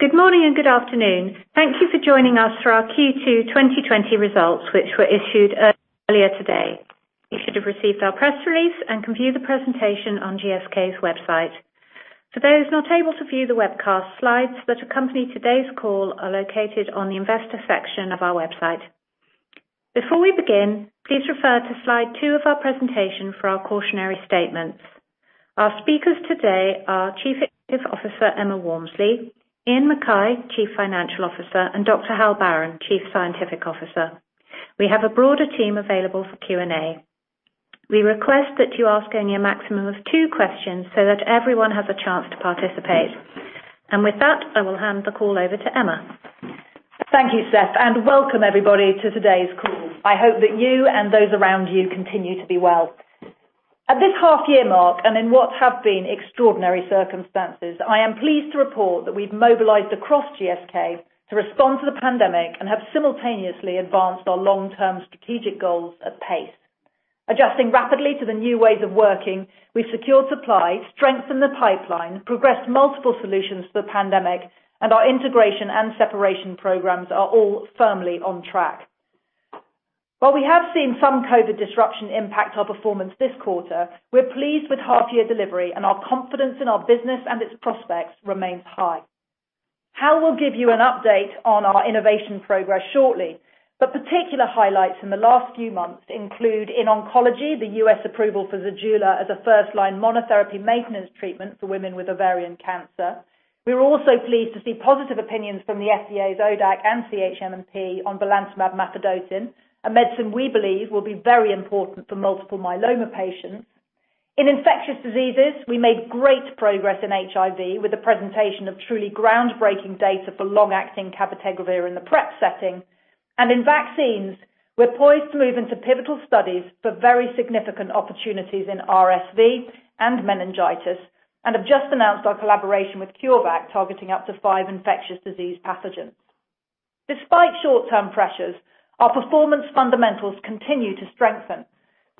Good morning and good afternoon. Thank you for joining us for our Q2 2020 results, which were issued earlier today. You should have received our press release and can view the presentation on GSK's website. For those not able to view the webcast, slides that accompany today's call are located on the investor section of our website. Before we begin, please refer to slide two of our presentation for our cautionary statements. Our speakers today are Chief Executive Officer, Emma Walmsley, Iain Mackay, Chief Financial Officer, and Dr. Hal Barron, Chief Scientific Officer. We have a broader team available for Q&A. We request that you ask only a maximum of two questions so that everyone has a chance to participate. With that, I will hand the call over to Emma. Thank you, Steph, and welcome everybody to today's call. I hope that you and those around you continue to be well. At this half-year mark, and in what have been extraordinary circumstances, I am pleased to report that we've mobilized across GSK to respond to the pandemic and have simultaneously advanced our long-term strategic goals at pace. Adjusting rapidly to the new ways of working, we've secured supply, strengthened the pipeline, progressed multiple solutions for the pandemic, and our integration and separation programs are all firmly on track. While we have seen some COVID disruption impact our performance this quarter, we're pleased with half-year delivery, and our confidence in our business and its prospects remains high. Hal will give you an update on our innovation progress shortly, but particular highlights in the last few months include, in oncology, the U.S. approval for ZEJULA as a first-line monotherapy maintenance treatment for women with ovarian cancer. We were also pleased to see positive opinions from the FDA's ODAC and CHMP on belantamab mafodotin, a medicine we believe will be very important for multiple myeloma patients. In infectious diseases, we made great progress in HIV with the presentation of truly groundbreaking data for long-acting cabotegravir in the PREP setting. In vaccines, we're poised to move into pivotal studies for very significant opportunities in RSV and meningitis, and have just announced our collaboration with CureVac, targeting up to five infectious disease pathogens. Despite short-term pressures, our performance fundamentals continue to strengthen.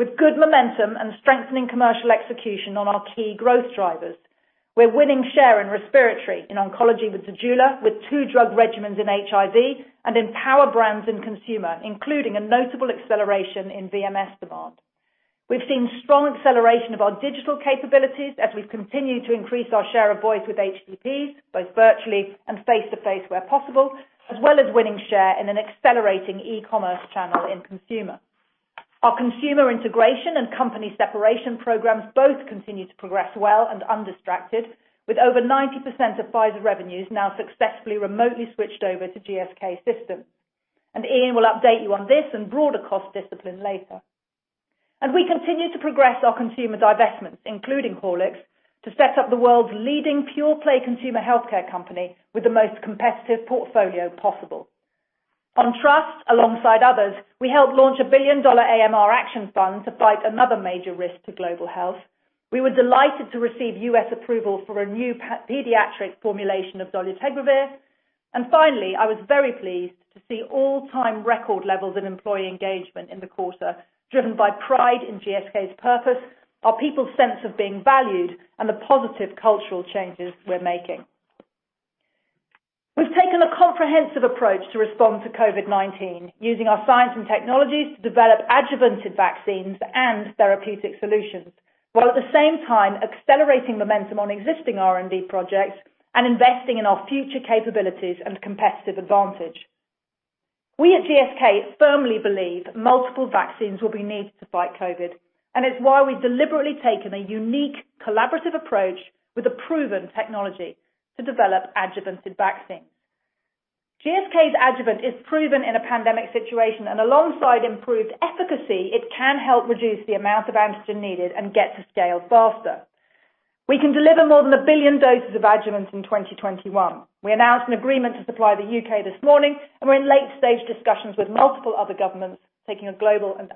With good momentum and strengthening commercial execution on our key growth drivers, we're winning share in respiratory, in oncology with ZEJULA, with two drug regimens in HIV, and in power brands and consumer, including a notable acceleration in VMS demand. We've seen strong acceleration of our digital capabilities as we've continued to increase our share of voice with HCPs, both virtually and face-to-face where possible, as well as winning share in an accelerating e-commerce channel in consumer. Our consumer integration and company separation programs both continue to progress well and undistracted, with over 90% of Pfizer revenues now successfully remotely switched over to GSK systems. Iain will update you on this and broader cost discipline later. As we continue to progress our consumer divestments, including Horlicks, to set up the world's leading pure-play consumer healthcare company with the most competitive portfolio possible. On trust, alongside others, we helped launch a one billion-dollar AMR Action Fund to fight another major risk to global health. We were delighted to receive U.S. approval for a new pediatric formulation of dolutegravir. Finally, I was very pleased to see all-time record levels in employee engagement in the quarter, driven by pride in GSK's purpose, our people's sense of being valued, and the positive cultural changes we're making. We've taken a comprehensive approach to respond to COVID-19, using our science and technologies to develop adjuvanted vaccines and therapeutic solutions, while at the same time accelerating momentum on existing R&D projects and investing in our future capabilities and competitive advantage. We at GSK firmly believe multiple vaccines will be needed to fight COVID, and it's why we've deliberately taken a unique collaborative approach with a proven technology to develop adjuvanted vaccines. GSK's adjuvant is proven in a pandemic situation, alongside improved efficacy, it can help reduce the amount of antigen needed and get to scale faster. We can deliver more than 1 billion doses of adjuvants in 2021. We announced an agreement to supply the U.K. this morning, we're in late-stage discussions with multiple other governments, taking a global and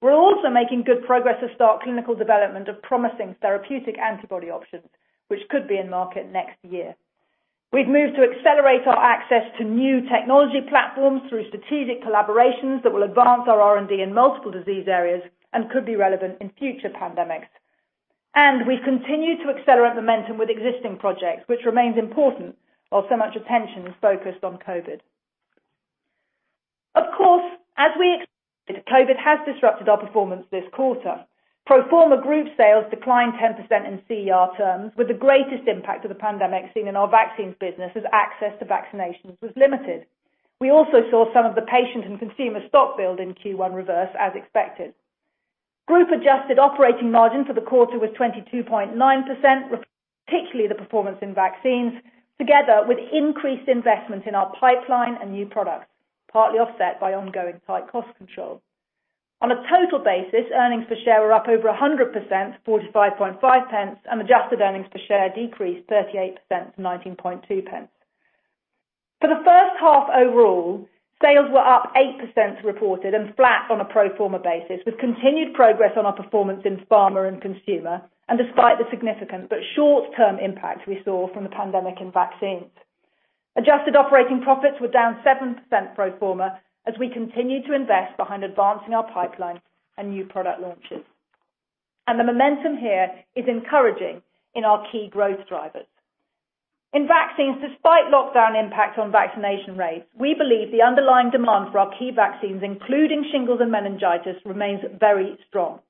access-led approach. We're also making good progress to start clinical development of promising therapeutic antibody options, which could be in market next year. We've moved to accelerate our access to new technology platforms through strategic collaborations that will advance our R&D in multiple disease areas and could be relevant in future pandemics. We've continued to accelerate momentum with existing projects, which remains important while so much attention is focused on COVID. Of course, as we expected, COVID has disrupted our performance this quarter. Pro forma group sales declined 10% in CER terms, with the greatest impact of the pandemic seen in our vaccines business as access to vaccinations was limited. We also saw some of the patient and consumer stock build in Q1 reverse, as expected. Group adjusted operating margin for the quarter was 22.9%, reflecting particularly the performance in vaccines, together with increased investment in our pipeline and new products, partly offset by ongoing tight cost control. On a total basis, earnings per share were up over 100%, 0.455, and adjusted earnings per share decreased 38% to 0.192. For the H1 overall, sales were up 8% reported and flat on a pro forma basis, with continued progress on our performance in pharma and consumer, and despite the significant but short-term impact we saw from the pandemic in vaccines. Adjusted operating profits were down 7% pro forma as we continue to invest behind advancing our pipeline and new product launches. The momentum here is encouraging in our key growth drivers. In vaccines, despite lockdown impact on vaccination rates, we believe the underlying demand for our key vaccines, including shingles and meningitis, remains very strong.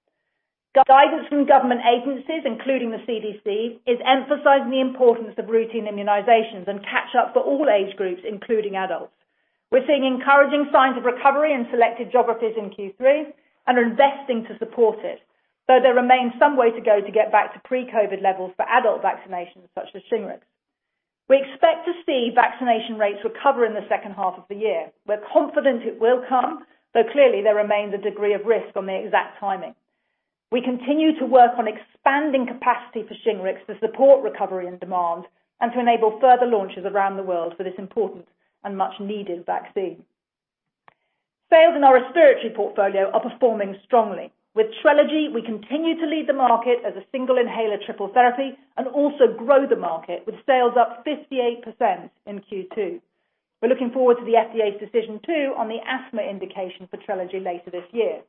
Guidance from government agencies, including the CDC, is emphasizing the importance of routine immunizations and catch up for all age groups, including adults. We're seeing encouraging signs of recovery in selected geographies in Q3 and are investing to support it, though there remains some way to go to get back to pre-COVID levels for adult vaccinations such as SHINGRIX. We expect to see vaccination rates recover in the H2 of the year. We're confident it will come, though clearly there remains a degree of risk on the exact timing. We continue to work on expanding capacity for SHINGRIX to support recovery and demand and to enable further launches around the world for this important and much-needed vaccine. Sales in our respiratory portfolio are performing strongly. With TRELEGY, we continue to lead the market as a single inhaler triple therapy and also grow the market with sales up 58% in Q2. We're looking forward to the FDA's decision too on the asthma indication for TRELEGY later this year.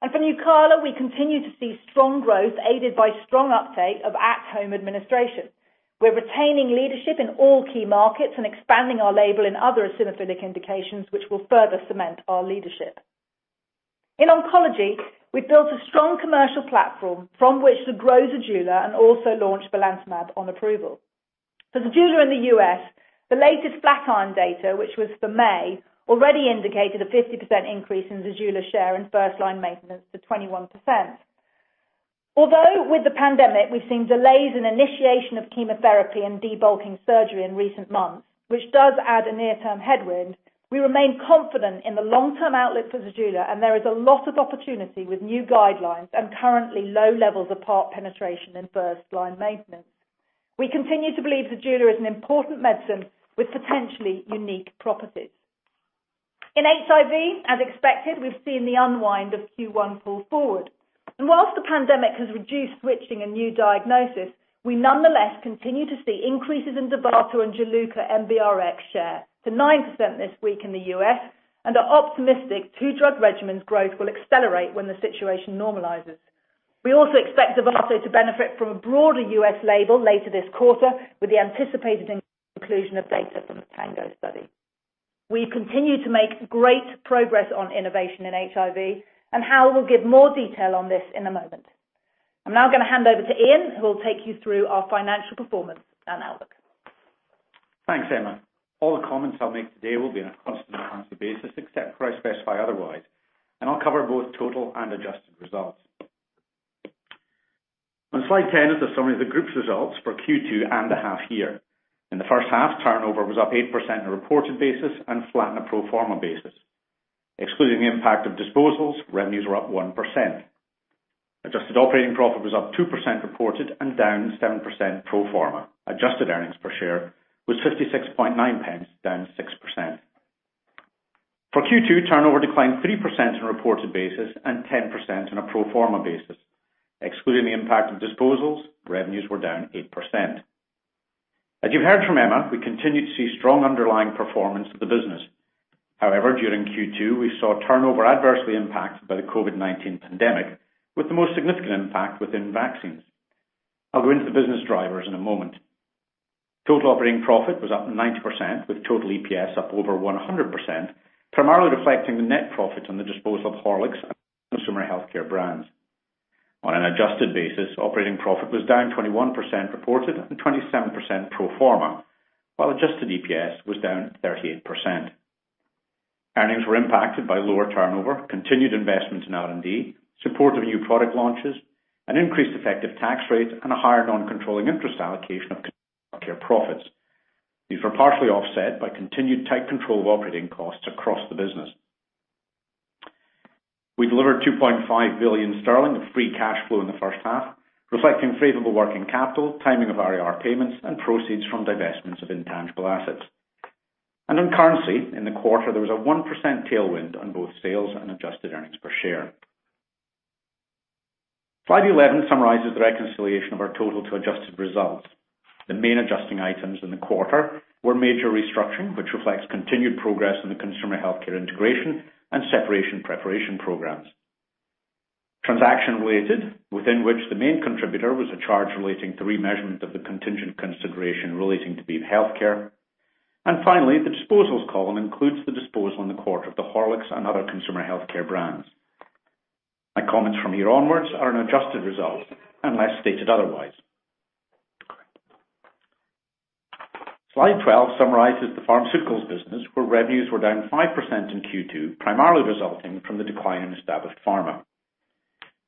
For NUCALA, we continue to see strong growth aided by strong uptake of at-home administration. We're retaining leadership in all key markets and expanding our label in other asthmatic indications, which will further cement our leadership. In oncology, we've built a strong commercial platform from which to grow ZEJULA and also launch belantamab on approval. For ZEJULA in the U.S., the latest Flatiron Health data, which was for May, already indicated a 50% increase in ZEJULA share in first-line maintenance to 21%. Although with the pandemic, we've seen delays in initiation of chemotherapy and debulking surgery in recent months, which does add a near-term headwind, we remain confident in the long-term outlook for ZEJULA, and there is a lot of opportunity with new guidelines and currently low levels of PARP penetration in first-line maintenance. We continue to believe ZEJULA is an important medicine with potentially unique properties. In HIV, as expected, we've seen the unwind of Q1 fall forward. Whilst the pandemic has reduced switching and new diagnosis, we nonetheless continue to see increases in DOVATO and JULUCA NBRx share to 9% this week in the U.S. and are optimistic two drug regimens growth will accelerate when the situation normalizes. We also expect DOVATO to benefit from a broader U.S. label later this quarter with the anticipated inclusion of data from the TANGO study. We continue to make great progress on innovation in HIV, and Hal will give more detail on this in a moment. I'm now going to hand over to Iain, who will take you through our financial performance and outlook. Thanks, Emma. All the comments I'll make today will be on a constant currency basis, except where I specify otherwise. I'll cover both total and adjusted results. On slide 10 is a summary of the group's results for Q2 and the half year. In the H1 turnover was up 8% in a reported basis and flat on a pro forma basis. Excluding the impact of disposals, revenues were up 1%. Adjusted operating profit was up 2% reported and down 7% pro forma. Adjusted earnings per share was 0.569, down 6%. For Q2, turnover declined 3% on a reported basis and 10% on a pro forma basis. Excluding the impact of disposals, revenues were down 8%. As you heard from Emma, we continued to see strong underlying performance of the business. However, during Q2, we saw turnover adversely impacted by the COVID-19 pandemic, with the most significant impact within vaccines. I'll go into the business drivers in a moment. Total operating profit was up 90%, with total EPS up over 100%, primarily reflecting the net profit on the disposal of Horlicks and Consumer Healthcare brands. On an adjusted basis, operating profit was down 21% reported and 27% pro forma, while adjusted EPS was down 38%. Earnings were impacted by lower turnover, continued investments in R&D, support of new product launches, an increased effective tax rate, and a higher non-controlling interest allocation of Consumer Healthcare profits. These were partially offset by continued tight control of operating costs across the business. We delivered 2.5 billion sterling of free cash flow in the H1, reflecting favorable working capital, timing of RIR payments, and proceeds from divestments of intangible assets. On currency, in the quarter, there was a 1% tailwind on both sales and adjusted earnings per share. Slide 11 summarizes the reconciliation of our total to adjusted results. The main adjusting items in the quarter were major restructuring, which reflects continued progress in the Consumer Healthcare integration and separation preparation programs. Transaction-related, within which the main contributor was a charge relating to remeasurement of the contingent consideration relating to BEAM Healthcare. And finally, the disposals column includes the disposal in the quarter of the Horlicks and other Consumer Healthcare brands. My comments from here onwards are an adjusted result unless stated otherwise. Slide 12 summarizes the pharmaceuticals business, where revenues were down 5% in Q2, primarily resulting from the decline in Established Pharma.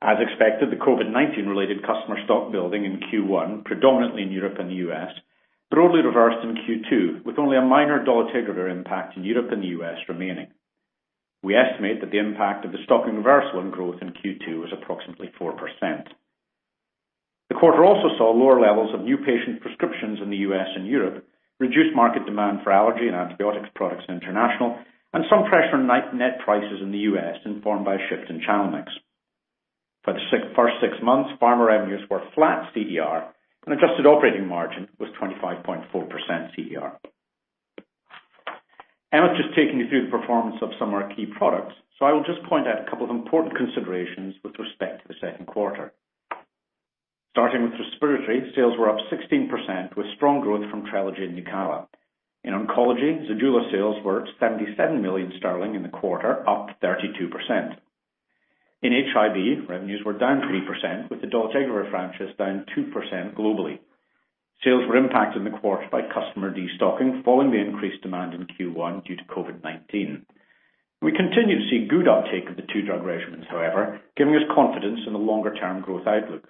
As expected, the COVID-19 related customer stock building in Q1, predominantly in Europe and the U.S., broadly reversed in Q2, with only a minor dolutegravir impact in Europe and the U.S. remaining. We estimate that the impact of the stock reversal on growth in Q2 was approximately 4%. The quarter also saw lower levels of new patient prescriptions in the U.S. and Europe, reduced market demand for allergy and antibiotics products international, and some pressure on net prices in the U.S. informed by a shift in channel mix. The first six months, pharma revenues were flat CER, and adjusted operating margin was 25.4% CER. Emma's just taken you through the performance of some of our key products. I will just point out a couple of important considerations with respect to the Q2. Starting with respiratory, sales were up 16%, with strong growth from TRELEGY and NUCALA. In oncology, ZEJULA sales were 77 million sterling in the quarter, up 32%. In HIV, revenues were down 3%, with the dolutegravir franchise down 2% globally. Sales were impacted in the quarter by customer de-stocking following the increased demand in Q1 due to COVID-19. We continue to see good uptake of the two-drug regimens, however, giving us confidence in the longer-term growth outlook.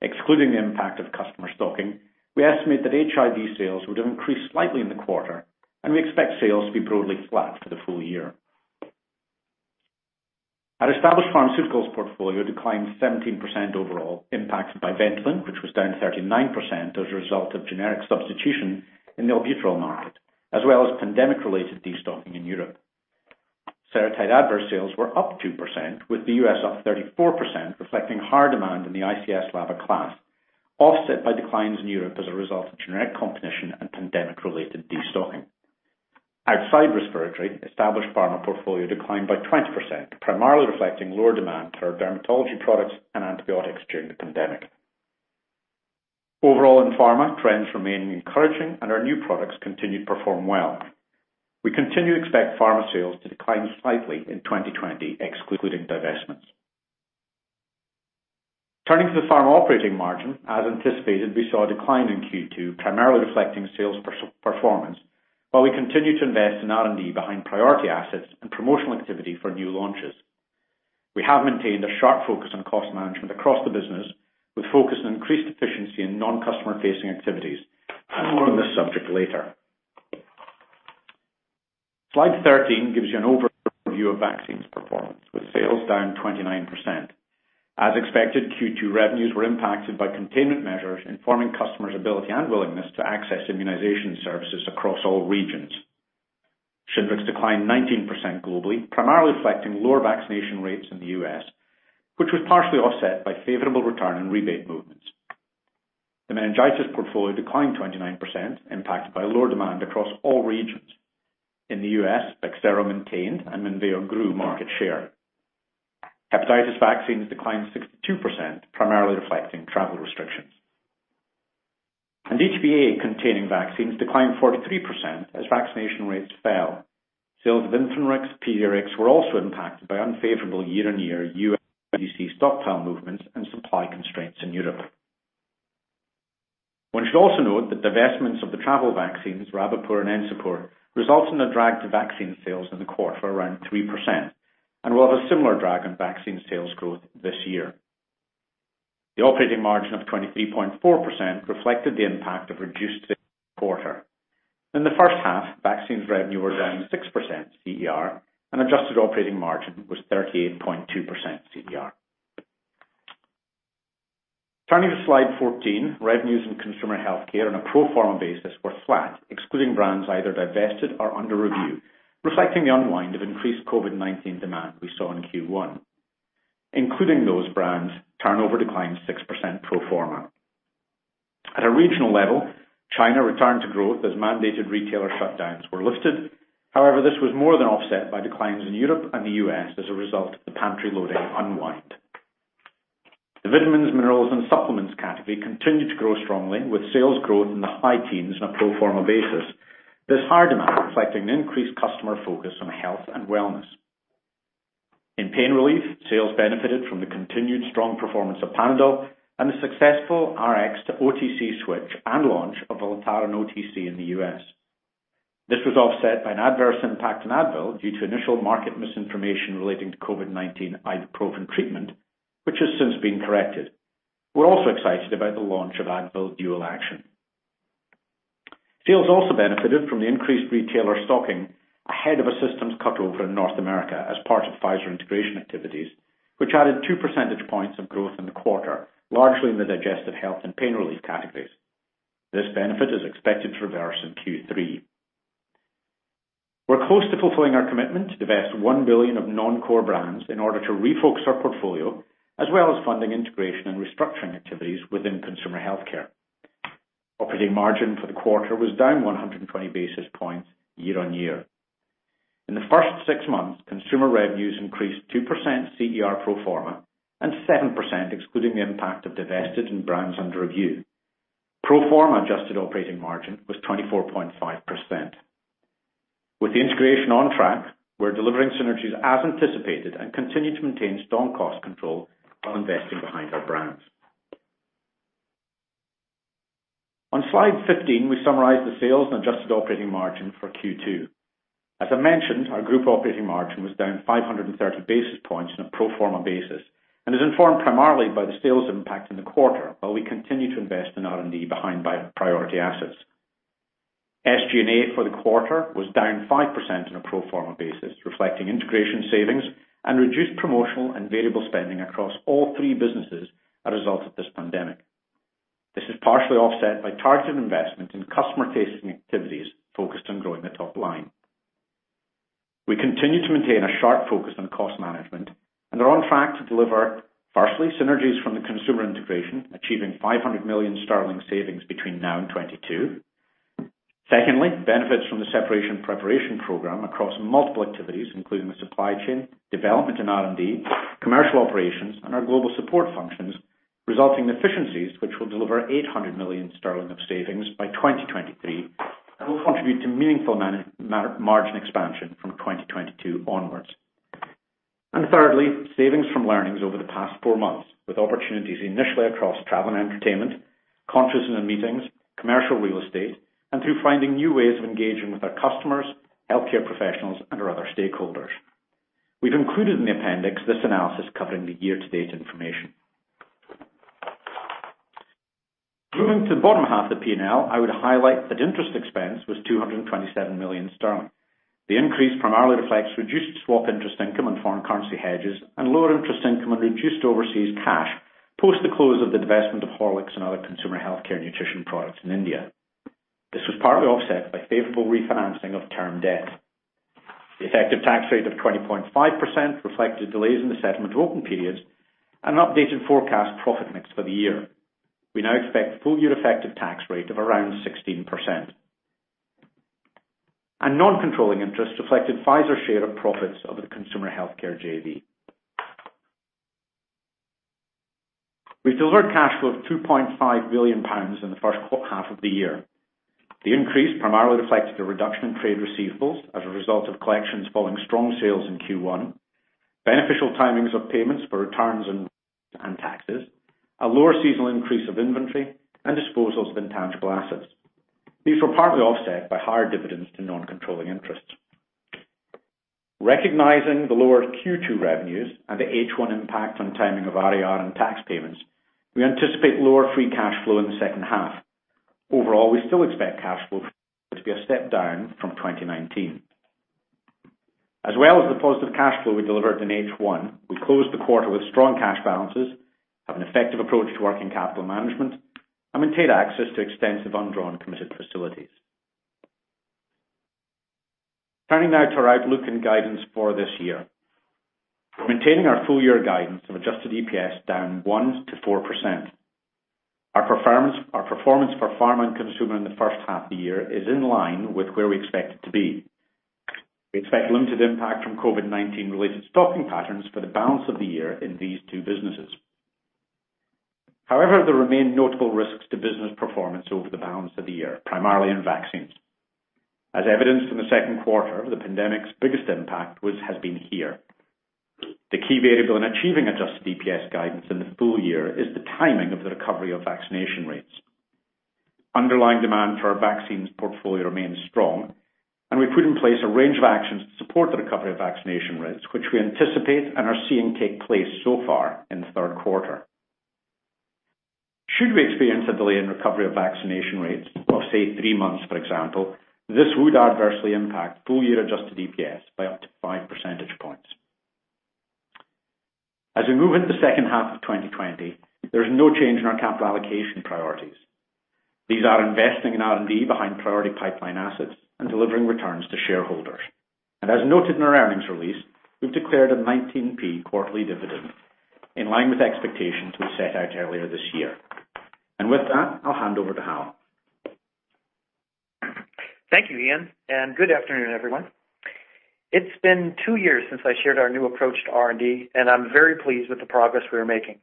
Excluding the impact of customer stocking, we estimate that HIV sales would have increased slightly in the quarter, and we expect sales to be broadly flat for the full year. Our established pharmaceuticals portfolio declined 17% overall, impacted by VENTOLIN, which was down 39% as a result of generic substitution in the albuterol market, as well as pandemic-related de-stocking in Europe. Seretide/Advair sales were up 2%, with the U.S. up 34%, reflecting high demand in the ICS/LABA class, offset by declines in Europe as a result of generic competition and pandemic-related de-stocking. Outside respiratory, established pharma portfolio declined by 20%, primarily reflecting lower demand for our dermatology products and antibiotics during the pandemic. Overall in pharma, trends remain encouraging, and our new products continue to perform well. We continue to expect pharma sales to decline slightly in 2020, excluding divestments. Turning to the pharma operating margin, as anticipated, we saw a decline in Q2, primarily reflecting sales performance, while we continue to invest in R&D behind priority assets and promotional activity for new launches. We have maintained a sharp focus on cost management across the business, with focus on increased efficiency in non-customer facing activities. I'll talk more on this subject later. Slide 13 gives you an overview of vaccines performance. With sales down 29%. As expected, Q2 revenues were impacted by containment measures informing customers' ability and willingness to access immunization services across all regions. SHINGRIX declined 19% globally, primarily reflecting lower vaccination rates in the U.S., which was partially offset by favorable return and rebate movements. The meningitis portfolio declined 29%, impacted by lower demand across all regions. In the U.S., BEXSERO maintained, and MENVEO grew market share. Hepatitis vaccines declined 62%, primarily reflecting travel restrictions. HPV containing vaccines declined 43% as vaccination rates fell. Sales of INFANRIX, PEDIARIX were also impacted by unfavorable year-on-year VFC stockpile movements and supply constraints in Europe. One should also note that divestments of the travel vaccines, Rabipur and Encepur, result in a drag to vaccine sales in the quarter around 3% and will have a similar drag on vaccine sales growth this year. The operating margin of 23.4% reflected the impact of reduced quarter. In the H1, vaccines revenue were down 6% CER, and adjusted operating margin was 38.2% CER. Turning to slide 14, revenues in consumer healthcare on a pro forma basis were flat, excluding brands either divested or under review, reflecting the unwind of increased COVID-19 demand we saw in Q1. Including those brands, turnover declined 6% pro forma. At a regional level, China returned to growth as mandated retailer shutdowns were lifted. This was more than offset by declines in Europe and the U.S. as a result of the pantry loading unwind. The vitamins, minerals, and supplements category continued to grow strongly, with sales growth in the high teens on a pro forma basis. This high demand reflecting an increased customer focus on health and wellness. In pain relief, sales benefited from the continued strong performance of Panadol and the successful RX to OTC switch and launch of Voltarol OTC in the U.S. This was offset by an adverse impact on Advil due to initial market misinformation relating to COVID-19 ibuprofen treatment, which has since been corrected. We're also excited about the launch of Advil Dual Action. Sales also benefited from the increased retailer stocking ahead of a systems cut over in North America as part of Pfizer integration activities, which added two percentage points of growth in the quarter, largely in the digestive health and pain relief categories. This benefit is expected to reverse in Q3. We're close to fulfilling our commitment to divest 1 billion of non-core brands in order to refocus our portfolio, as well as funding integration and restructuring activities within Consumer Healthcare. Operating margin for the quarter was down 120 basis points year-on-year. In the first six months, Consumer revenues increased 2% CER pro forma and 7% excluding the impact of divested and brands under review. Pro forma adjusted operating margin was 24.5%. With the integration on track, we're delivering synergies as anticipated and continue to maintain strong cost control while investing behind our brands. On slide 15, we summarize the sales and adjusted operating margin for Q2. As I mentioned, our group operating margin was down 530 basis points on a pro forma basis and is informed primarily by the sales impact in the quarter, while we continue to invest in R&D behind priority assets. SG&A for the quarter was down 5% on a pro forma basis, reflecting integration savings and reduced promotional and variable spending across all three businesses as a result of this pandemic. This is partially offset by targeted investment in customer-facing activities focused on growing the top line. We continue to maintain a sharp focus on cost management, and are on track to deliver, firstly, synergies from the consumer integration, achieving 500 million sterling savings between now and 2022. Secondly, benefits from the Separation Preparation Program across multiple activities, including the supply chain, development and R&D, commercial operations, and our global support functions, resulting in efficiencies which will deliver 800 million sterling of savings by 2023 and will contribute to meaningful margin expansion from 2022 onwards. And thirdly, savings from learnings over the past four months, with opportunities initially across travel and entertainment, conferences and meetings, commercial real estate, and through finding new ways of engaging with our customers, healthcare professionals, and our other stakeholders. We've included in the appendix this analysis covering the year-to-date information. Moving to the bottom half of the P&L, I would highlight that interest expense was 227 million sterling. The increase primarily reflects reduced swap interest income on foreign currency hedges and lower interest income on reduced overseas cash post the close of the divestment of Horlicks and other consumer healthcare nutrition products in India. This was partly offset by favorable refinancing of term debt. The effective tax rate of 20.5% reflected delays in the settlement of open periods and an updated forecast profit mix for the year. We now expect full-year effective tax rate of around 16%. Non-controlling interests reflected Pfizer's share of profits of the consumer healthcare JV. We delivered cash flow of 2.5 billion pounds in the H1 of the year. The increase primarily reflected a reduction in trade receivables as a result of collections following strong sales in Q1, beneficial timings of payments for returns and taxes, a lower seasonal increase of inventory, and disposals of intangible assets. These were partly offset by higher dividends to non-controlling interests. Recognizing the lower Q2 revenues and the H1 impact on timing of RIR and tax payments, we anticipate lower free cash flow in the H2. Overall, we still expect cash flow to be a step down from 2019. As well as the positive cash flow we delivered in H1, we closed the quarter with strong cash balances, have an effective approach to working capital management, and maintain access to extensive undrawn committed facilities. Turning now to our outlook and guidance for this year. We're maintaining our full year guidance of adjusted EPS down 1% to 4%. Our performance for pharma and consumer in the H1 of the year is in line with where we expect it to be. We expect limited impact from COVID-19 related stocking patterns for the balance of the year in these two businesses. However, there remain notable risks to business performance over the balance of the year, primarily in vaccines. As evidenced in the Q2, the pandemic's biggest impact has been here. The key variable in achieving adjusted EPS guidance in the full year is the timing of the recovery of vaccination rates. Underlying demand for our vaccines portfolio remains strong, and we put in place a range of actions to support the recovery of vaccination rates, which we anticipate and are seeing take place so far in the Q3. Should we experience a delay in recovery of vaccination rates of, say, three months, for example, this would adversely impact full-year adjusted EPS by up to five percentage points. As we move into the H2 of 2020, there is no change in our capital allocation priorities. These are investing in R&D behind priority pipeline assets and delivering returns to shareholders. As noted in our earnings release, we've declared a 0.19 quarterly dividend in line with expectations we set out earlier this year. With that, I'll hand over to Hal. Thank you, Iain. Good afternoon, everyone. It's been two years since I shared our new approach to R&D. I'm very pleased with the progress we are making.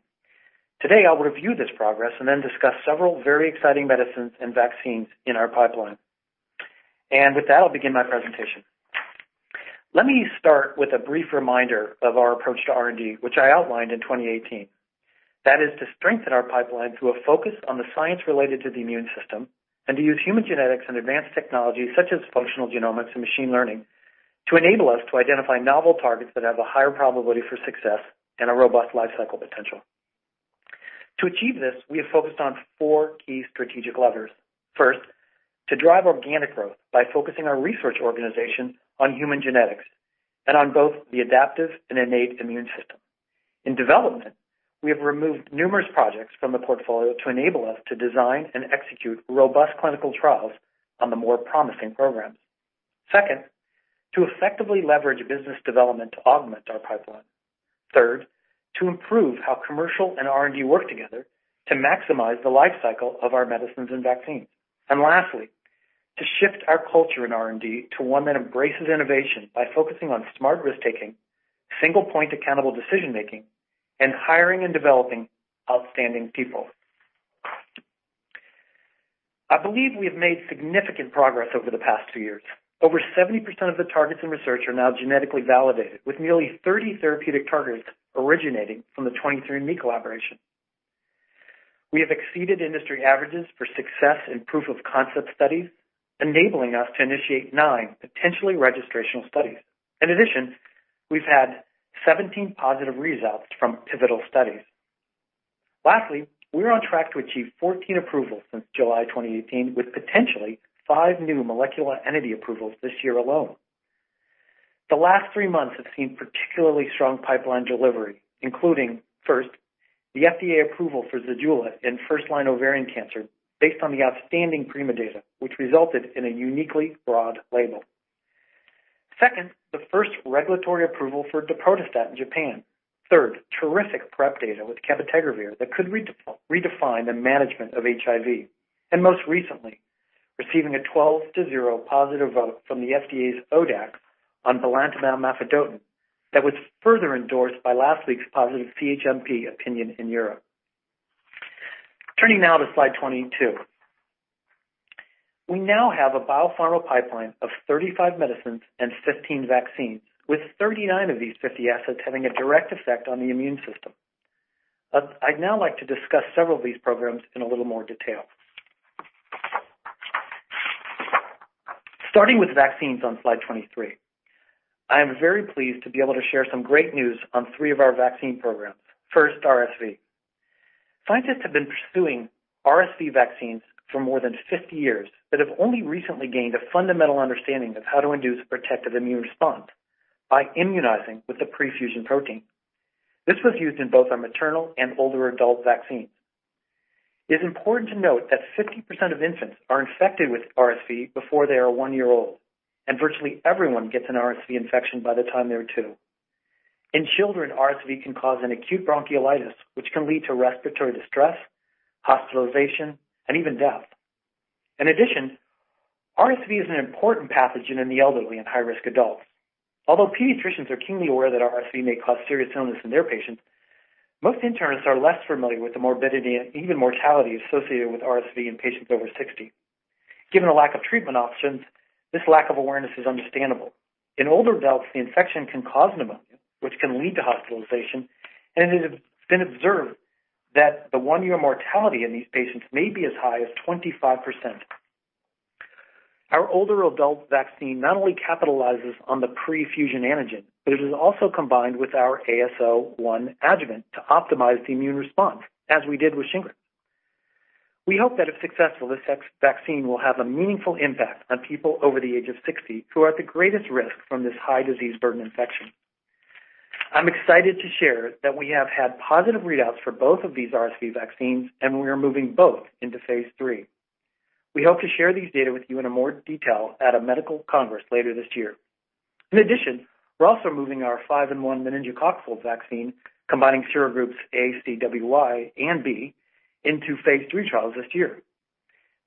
Today, I'll review this progress. Then discuss several very exciting medicines and vaccines in our pipeline. With that, I'll begin my presentation. Let me start with a brief reminder of our approach to R&D, which I outlined in 2018. That is to strengthen our pipeline through a focus on the science related to the immune system and to use human genetics and advanced technologies such as functional genomics and machine learning to enable us to identify novel targets that have a higher probability for success and a robust life cycle potential. To achieve this, we have focused on four key strategic levers. To drive organic growth by focusing our research organization on human genetics and on both the adaptive and innate immune system. In development, we have removed numerous projects from the portfolio to enable us to design and execute robust clinical trials on the more promising programs. Second to effectively leverage business development to augment our pipeline. Third to improve how commercial and R&D work together to maximize the life cycle of our medicines and vaccines. And lastly, to shift our culture in R&D to one that embraces innovation by focusing on smart risk-taking, single-point accountable decision-making, and hiring and developing outstanding people. I believe we have made significant progress over the past two years. Over 70% of the targets in research are now genetically validated, with nearly 30 therapeutic targets originating from the 23andMe collaboration. We have exceeded industry averages for success in proof of concept studies, enabling us to initiate nine potentially registrational studies. In addition, we've had 17 positive results from pivotal studies. Lastly, we're on track to achieve 14 approvals since July 2018, with potentially five new molecular entity approvals this year alone. The last three months have seen particularly strong pipeline delivery, including, First, the FDA approval for ZEJULA in first-line ovarian cancer based on the outstanding Prima data, which resulted in a uniquely broad label. Second, the first regulatory approval for daprodustat in Japan. Third, terrific PREP data with cabotegravir that could redefine the management of HIV, and most recently, receiving a 12 to zero positive vote from the FDA's ODAC on belantamab mafodotin that was further endorsed by last week's positive CHMP opinion in Europe. Turning now to slide 22. We now have a biopharmaceutical pipeline of 35 medicines and 15 vaccines, with 39 of these 50 assets having a direct effect on the immune system. I'd now like to discuss several of these programs in a little more detail. Starting with vaccines on slide 23, I am very pleased to be able to share some great news on three of our vaccine programs. First, RSV. Scientists have been pursuing RSV vaccines for more than 50 years but have only recently gained a fundamental understanding of how to induce protective immune response by immunizing with the pre-fusion protein. This was used in both our maternal and older adult vaccines. It is important to note that 50% of infants are infected with RSV before they are one year old, and virtually everyone gets an RSV infection by the time they're two. In children, RSV can cause an acute bronchiolitis, which can lead to respiratory distress, hospitalization, and even death. In addition, RSV is an important pathogen in the elderly and high-risk adults. Although pediatricians are keenly aware that RSV may cause serious illness in their patients, most internists are less familiar with the morbidity and even mortality associated with RSV in patients over 60. Given a lack of treatment options, this lack of awareness is understandable. In older adults, the infection can cause pneumonia, which can lead to hospitalization, and it has been observed that the one-year mortality in these patients may be as high as 25%. Our older adult vaccine not only capitalizes on the pre-fusion antigen, but it is also combined with our AS01 adjuvant to optimize the immune response, as we did with SHINGRIX. We hope that if successful, this vaccine will have a meaningful impact on people over the age of 60 who are at the greatest risk from this high disease burden infection. I'm excited to share that we have had positive readouts for both of these RSV vaccines, and we are moving both into Phase III. We hope to share these data with you in more detail at a medical congress later this year. In addition, we're also moving our five-in-one meningococcal vaccine, combining serogroups A, C, W, Y, and B into Phase III trials this year.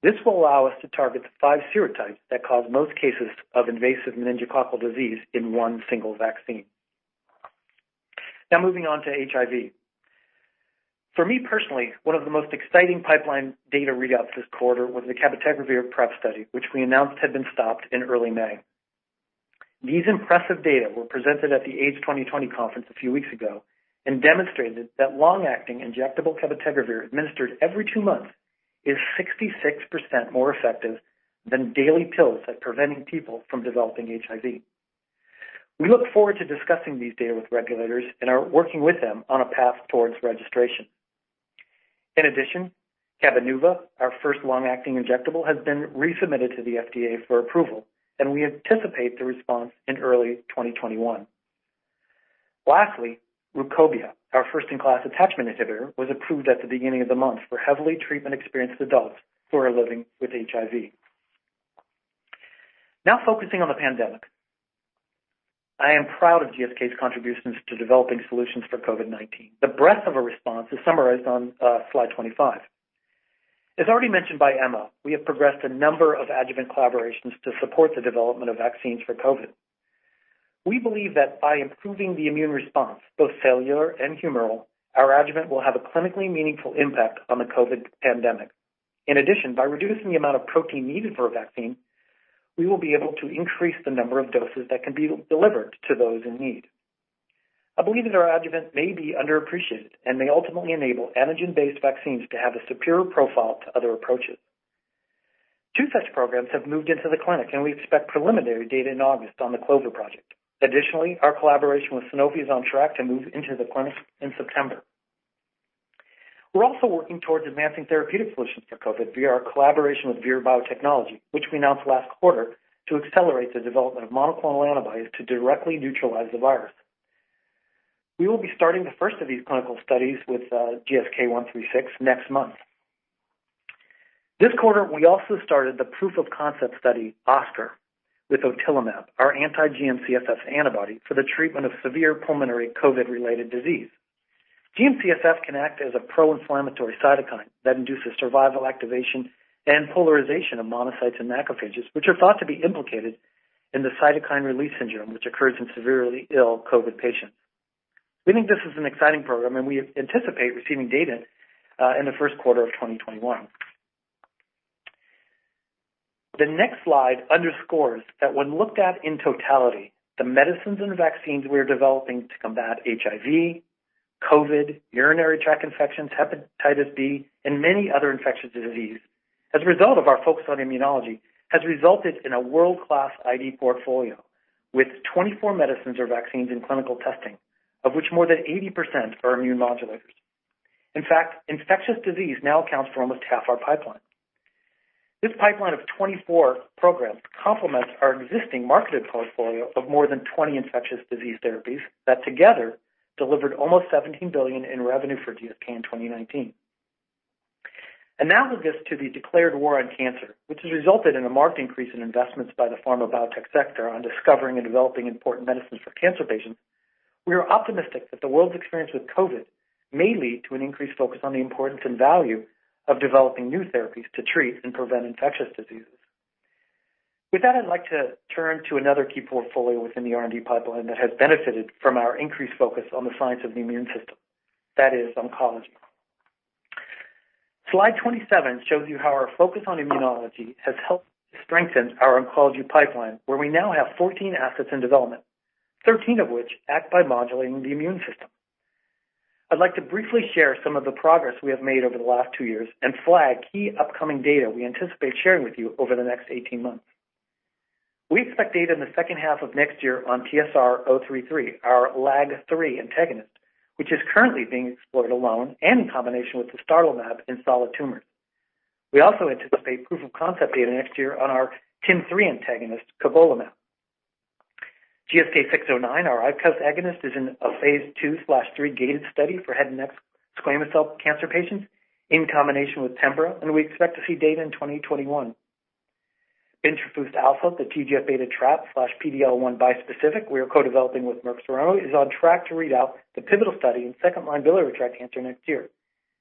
This will allow us to target the five serotypes that cause most cases of invasive meningococcal disease in one single vaccine. Moving on to HIV. For me personally, one of the most exciting pipeline data readouts this quarter was the cabotegravir PREP study, which we announced had been stopped in early May. These impressive data were presented at the AIDS 2020 conference a few weeks ago and demonstrated that long-acting injectable cabotegravir administered every two months is 66% more effective than daily pills at preventing people from developing HIV. We look forward to discussing these data with regulators and are working with them on a path towards registration. In addition, Cabenuva, our first long-acting injectable, has been resubmitted to the FDA for approval, and we anticipate the response in early 2021. Lastly, RUKOBIA, our first-in-class attachment inhibitor, was approved at the beginning of the month for heavily treatment-experienced adults who are living with HIV. Now focusing on the pandemic. I am proud of GSK's contributions to developing solutions for COVID-19. The breadth of a response is summarized on slide 25. As already mentioned by Emma, we have progressed a number of adjuvant collaborations to support the development of vaccines for COVID. We believe that by improving the immune response, both cellular and humoral, our adjuvant will have a clinically meaningful impact on the COVID pandemic. In addition, by reducing the amount of protein needed for a vaccine, we will be able to increase the number of doses that can be delivered to those in need. I believe that our adjuvant may be underappreciated and may ultimately enable antigen-based vaccines to have a superior profile to other approaches. Two such programs have moved into the clinic, and we expect preliminary data in August on the Clover project. Additionally, our collaboration with Sanofi is on track to move into the clinic in September. We're also working towards advancing therapeutic solutions for COVID via our collaboration with Vir Biotechnology, which we announced last quarter, to accelerate the development of monoclonal antibodies to directly neutralize the virus. We will be starting the first of these clinical studies with GSK4182136 next month. This quarter, we also started the proof of concept study, OSCAR, with otilimab, our anti-GM-CSF antibody for the treatment of severe pulmonary COVID-related disease. GM-CSF can act as a pro-inflammatory cytokine that induces survival, activation, and polarization of monocytes and macrophages, which are thought to be implicated in the cytokine release syndrome, which occurs in severely ill COVID patients. We think this is an exciting program, we anticipate receiving data in the Q1 of 2021. The next slide underscores that when looked at in totality, the medicines and vaccines we're developing to combat HIV, COVID, urinary tract infections, hepatitis B, and many other infectious disease, as a result of our focus on immunology, has resulted in a world-class ID portfolio with 24 medicines or vaccines in clinical testing, of which more than 80% are immune modulators. In fact, infectious disease now accounts for almost half our pipeline. This pipeline of 24 programs complements our existing marketed portfolio of more than 20 infectious disease therapies that together delivered almost $17 billion in revenue for GSK in 2019. Analogous to the declared war on cancer, which has resulted in a marked increase in investments by the pharma biotech sector on discovering and developing important medicines for cancer patients, we are optimistic that the world's experience with COVID-19 may lead to an increased focus on the importance and value of developing new therapies to treat and prevent infectious diseases. With that, I'd like to turn to another key portfolio within the R&D pipeline that has benefited from our increased focus on the science of the immune system, that is oncology. Slide 27 shows you how our focus on immunology has helped strengthen our oncology pipeline, where we now have 14 assets in development, 13 of which act by modulating the immune system. I'd like to briefly share some of the progress we have made over the last two years and flag key upcoming data we anticipate sharing with you over the next 18 months. We expect data in the H2 of next year on PSR-033, our LAG-three antagonist, which is currently being explored alone and in combination with sestolimab in solid tumors. We also anticipate proof-of-concept data next year on our TIM-three antagonist, cobolimab. GSK3359609, our ICOS agonist, is in a Phase II/III gated study for head and neck squamous cell cancer patients in combination with KEYTRUDA. We expect to see data in 2021. bintrafusp alfa, the TGF-β trap/PD-L1 bispecific we are co-developing with Merck Serono, is on track to read out the pivotal study in second-line biliary tract cancer next year.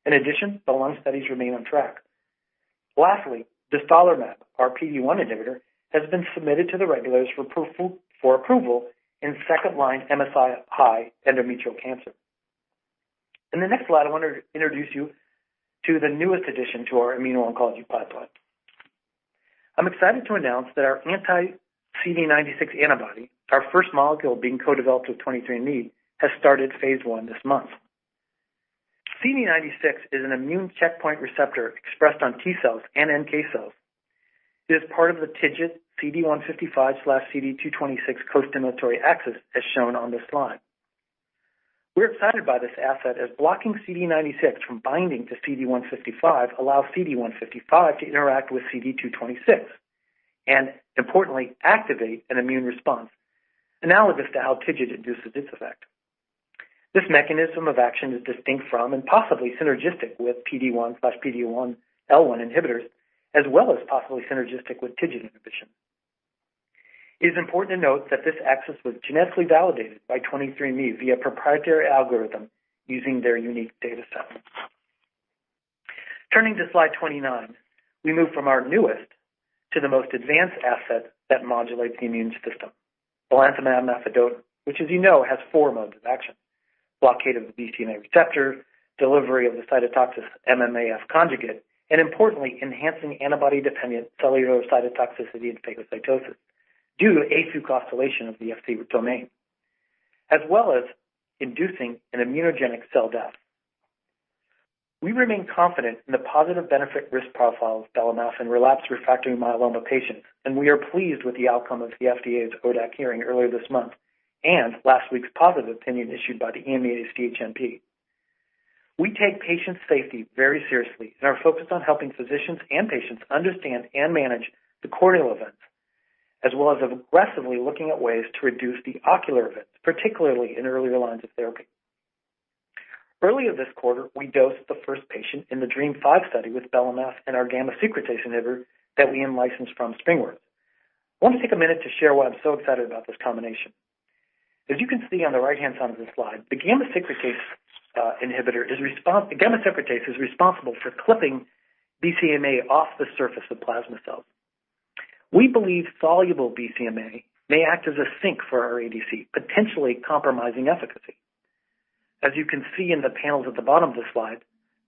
In addition, the lung studies remain on track. Lastly, dostarlimab, our PD-1 inhibitor, has been submitted to the regulators for approval in second-line MSI-H endometrial cancer. In the next slide, I want to introduce you to the newest addition to our immuno-oncology pipeline. I'm excited to announce that our anti-CD96 antibody, our first molecule being co-developed with 23andMe, has started Phase I this month. CD96 is an immune checkpoint receptor expressed on T cells and NK cells. It is part of the TIGIT CD155/CD226 costimulatory axis, as shown on this slide. We're excited by this asset, as blocking CD96 from binding to CD155 allows CD155 to interact with CD226 and, importantly, activate an immune response, analogous to how TIGIT induces this effect. This mechanism of action is distinct from and possibly synergistic with PD-1/PD-L1 inhibitors, as well as possibly synergistic with TIGIT inhibition. It is important to note that this axis was genetically validated by 23andMe via proprietary algorithm using their unique data set. Turning to Slide 29, we move from our newest to the most advanced asset that modulates the immune system, belantamab mafodotin, which, as you know, has four modes of action, blockade of the BCMA receptor, delivery of the cytotoxics MMAF conjugate, and importantly, enhancing antibody-dependent cellular cytotoxicity and phagocytosis due to afucosylation of the Fc domain, as well as inducing an immunogenic cell death. We remain confident in the positive benefit-risk profile of belamaf in relapsed refractory myeloma patients, and we are pleased with the outcome of the FDA's ODAC hearing earlier this month and last week's positive opinion issued by the EMA's CHMP. We take patient safety very seriously and are focused on helping physicians and patients understand and manage the corneal events, as well as aggressively looking at ways to reduce the ocular events, particularly in earlier lines of therapy. Earlier this quarter, we dosed the first patient in the DREAMM-five study with belamaf and our gamma secretase inhibitor that we in-licensed from SpringWorks. I want to take a minute to share why I'm so excited about this combination. As you can see on the right-hand side of the slide, the gamma secretase is responsible for clipping BCMA off the surface of plasma cells. We believe soluble BCMA may act as a sink for our ADC, potentially compromising efficacy. As you can see in the panels at the bottom of the slide,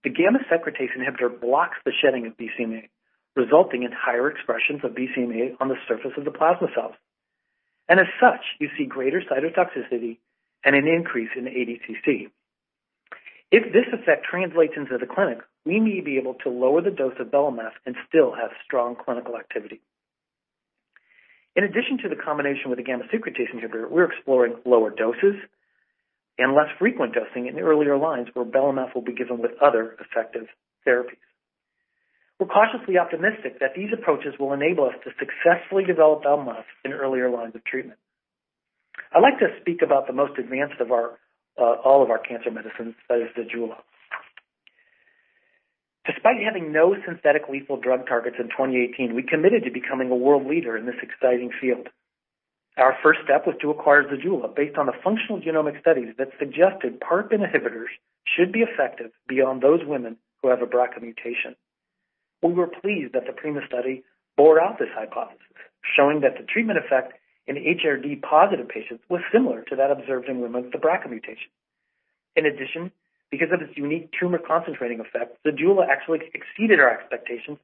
the gamma secretase inhibitor blocks the shedding of BCMA, resulting in higher expressions of BCMA on the surface of the plasma cells. As such, you see greater cytotoxicity and an increase in ADCC. If this effect translates into the clinic, we may be able to lower the dose of belamaf and still have strong clinical activity. In addition to the combination with the gamma secretase inhibitor, we're exploring lower doses and less frequent dosing in the earlier lines where belamaf will be given with other effective therapies. We're cautiously optimistic that these approaches will enable us to successfully develop belamaf in earlier lines of treatment. I'd like to speak about the most advanced of all of our cancer medicines, that is ZEJULA. Despite having no synthetic lethal drug targets in 2018, we committed to becoming a world leader in this exciting field. Our first step was to acquire ZEJULA based on the functional genomic studies that suggested PARP inhibitors should be effective beyond those women who have a BRCA mutation. We were pleased that the PRIMA study bore out this hypothesis, showing that the treatment effect in HRD-positive patients was similar to that observed in women with the BRCA mutation. In addition, because of its unique tumor-concentrating effect, ZEJULA actually exceeded our expectations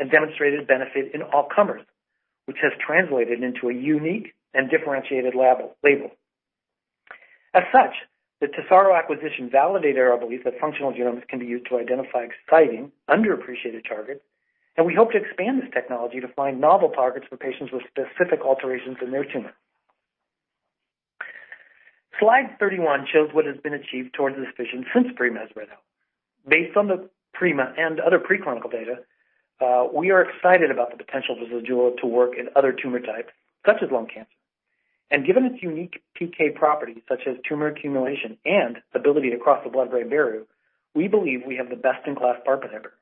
and demonstrated benefit in all comers, which has translated into a unique and differentiated label. As such, the TESARO acquisition validated our belief that functional genomics can be used to identify exciting, underappreciated targets. We hope to expand this technology to find novel targets for patients with specific alterations in their tumor. Slide 31 shows what has been achieved towards this vision since PRIMA. Based on the PRIMA and other pre-clinical data, we are excited about the potential for ZEJULA to work in other tumor types such as lung cancer. Given its unique PK properties such as tumor accumulation and the ability to cross the blood-brain barrier, we believe we have the best-in-class PARP inhibitor.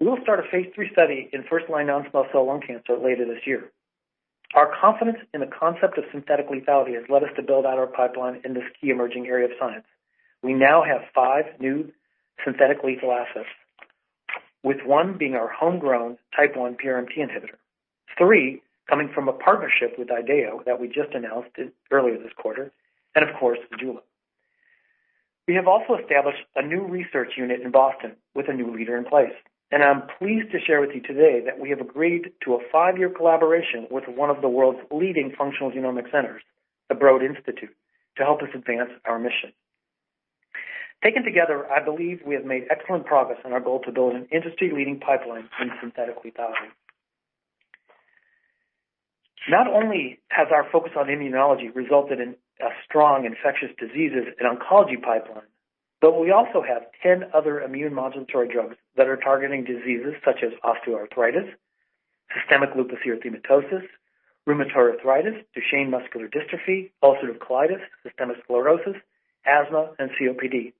We will start a Phase III study in first-line non-small cell lung cancer later this year. Our confidence in the concept of synthetic lethality has led us to build out our pipeline in this key emerging area of science. We now have five new synthetic lethal assets, with one being our homegrown type 1 PRMT inhibitor, three coming from a partnership with IDEAYA that we just announced earlier this quarter, and of course, ZEJULA. We have also established a new research unit in Boston with a new leader in place, and I'm pleased to share with you today that we have agreed to a five-year collaboration with one of the world's leading functional genomic centers, the Broad Institute, to help us advance our mission. Taken together, I believe we have made excellent progress on our goal to build an industry-leading pipeline in synthetic lethality. Not only has our focus on immunology resulted in a strong infectious diseases and oncology pipeline, but we also have 10 other immune modulatory drugs that are targeting diseases such as osteoarthritis, systemic lupus erythematosus, rheumatoid arthritis, Duchenne muscular dystrophy, ulcerative colitis, systemic sclerosis, asthma, and COPD.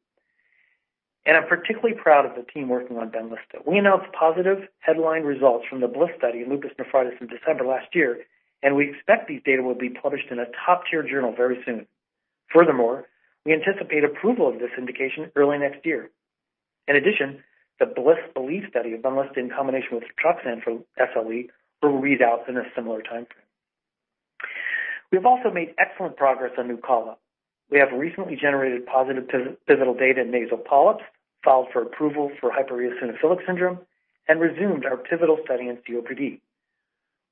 I'm particularly proud of the team working on BENLYSTA. We announced positive headline results from the BLISS study in lupus nephritis in December last year, and we expect these data will be published in a top-tier journal very soon. Furthermore, we anticipate approval of this indication early next year. In addition, the BLISS-BELIEVE study of BENLYSTA in combination with rituximab for SLE will read out in a similar timeframe. We've also made excellent progress on NUCALA. We have recently generated positive pivotal data in nasal polyps, filed for approval for hypereosinophilic syndrome, and resumed our pivotal study in COPD.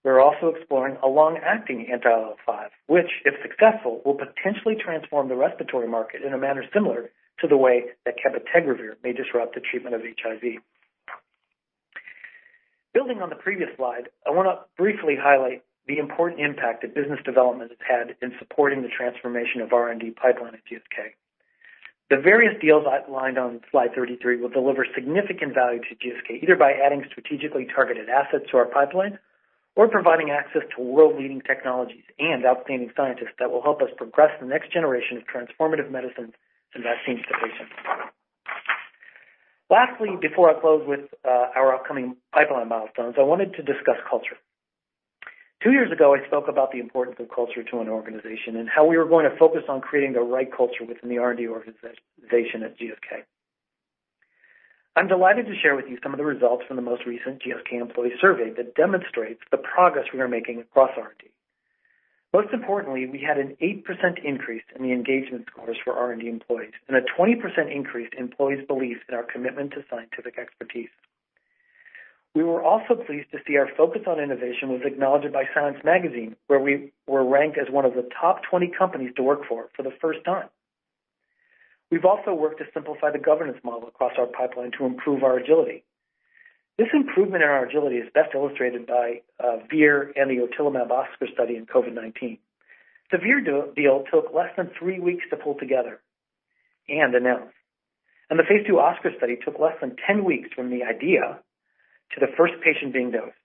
We are also exploring a long-acting anti-IL-5, which, if successful, will potentially transform the respiratory market in a manner similar to the way that cabotegravir may disrupt the treatment of HIV. Building on the previous slide, I want to briefly highlight the important impact that business development has had in supporting the transformation of R&D pipeline at GSK. The various deals outlined on slide 33 will deliver significant value to GSK, either by adding strategically targeted assets to our pipeline or providing access to world-leading technologies and outstanding scientists that will help us progress the next generation of transformative medicines and vaccines to patients. Lastly, before I close with our upcoming pipeline milestones, I wanted to discuss culture. Two years ago, I spoke about the importance of culture to an organization and how we were going to focus on creating the right culture within the R&D organization at GSK. I'm delighted to share with you some of the results from the most recent GSK employee survey that demonstrates the progress we are making across R&D. Most importantly, we had an 8% increase in the engagement scores for R&D employees and a 20% increase in employees' belief in our commitment to scientific expertise. We were also pleased to see our focus on innovation was acknowledged by Science Magazine, where we were ranked as one of the top 20 companies to work for the first time. We've also worked to simplify the governance model across our pipeline to improve our agility. This improvement in our agility is best illustrated by Vir and the otilimab OSCAR study in COVID-19. The Vir deal took less than three weeks to pull together and announce, and the Phase II OSCAR study took less than 10 weeks from the idea to the first patient being dosed.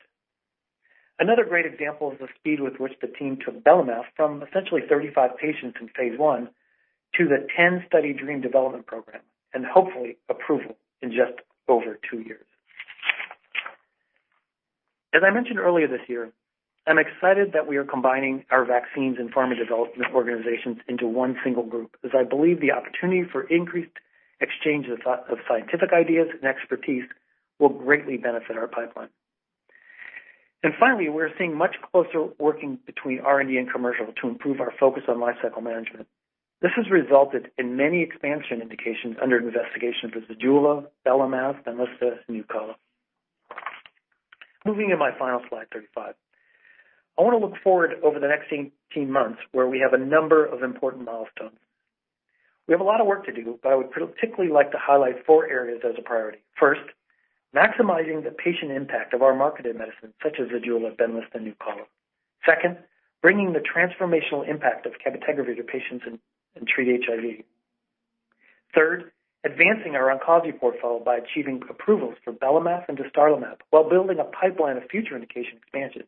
Another great example is the speed with which the team took belimumab from essentially 35 patients in Phase I to the 10-study DREAMM development program, and hopefully approval in just over two years. As I mentioned earlier this year, I'm excited that we are combining our vaccines and pharma development organizations into one single group, as I believe the opportunity for increased exchange of scientific ideas and expertise will greatly benefit our pipeline. Finally, we're seeing much closer working between R&D and commercial to improve our focus on lifecycle management. This has resulted in many expansion indications under investigation for ZEJULA, belimumab, BENLYSTA, and NUCALA. Moving to my final slide 35. I want to look forward over the next 18 months, where we have a number of important milestones. We have a lot of work to do, but I would particularly like to highlight four areas as a priority. First, maximizing the patient impact of our marketed medicines such as ZEJULA, BENLYSTA, NUCALA. Second, bringing the transformational impact of cabotegravir to patients and treat HIV. Third, advancing our oncology portfolio by achieving approvals for belimumab and dostarlimab while building a pipeline of future indication expansions,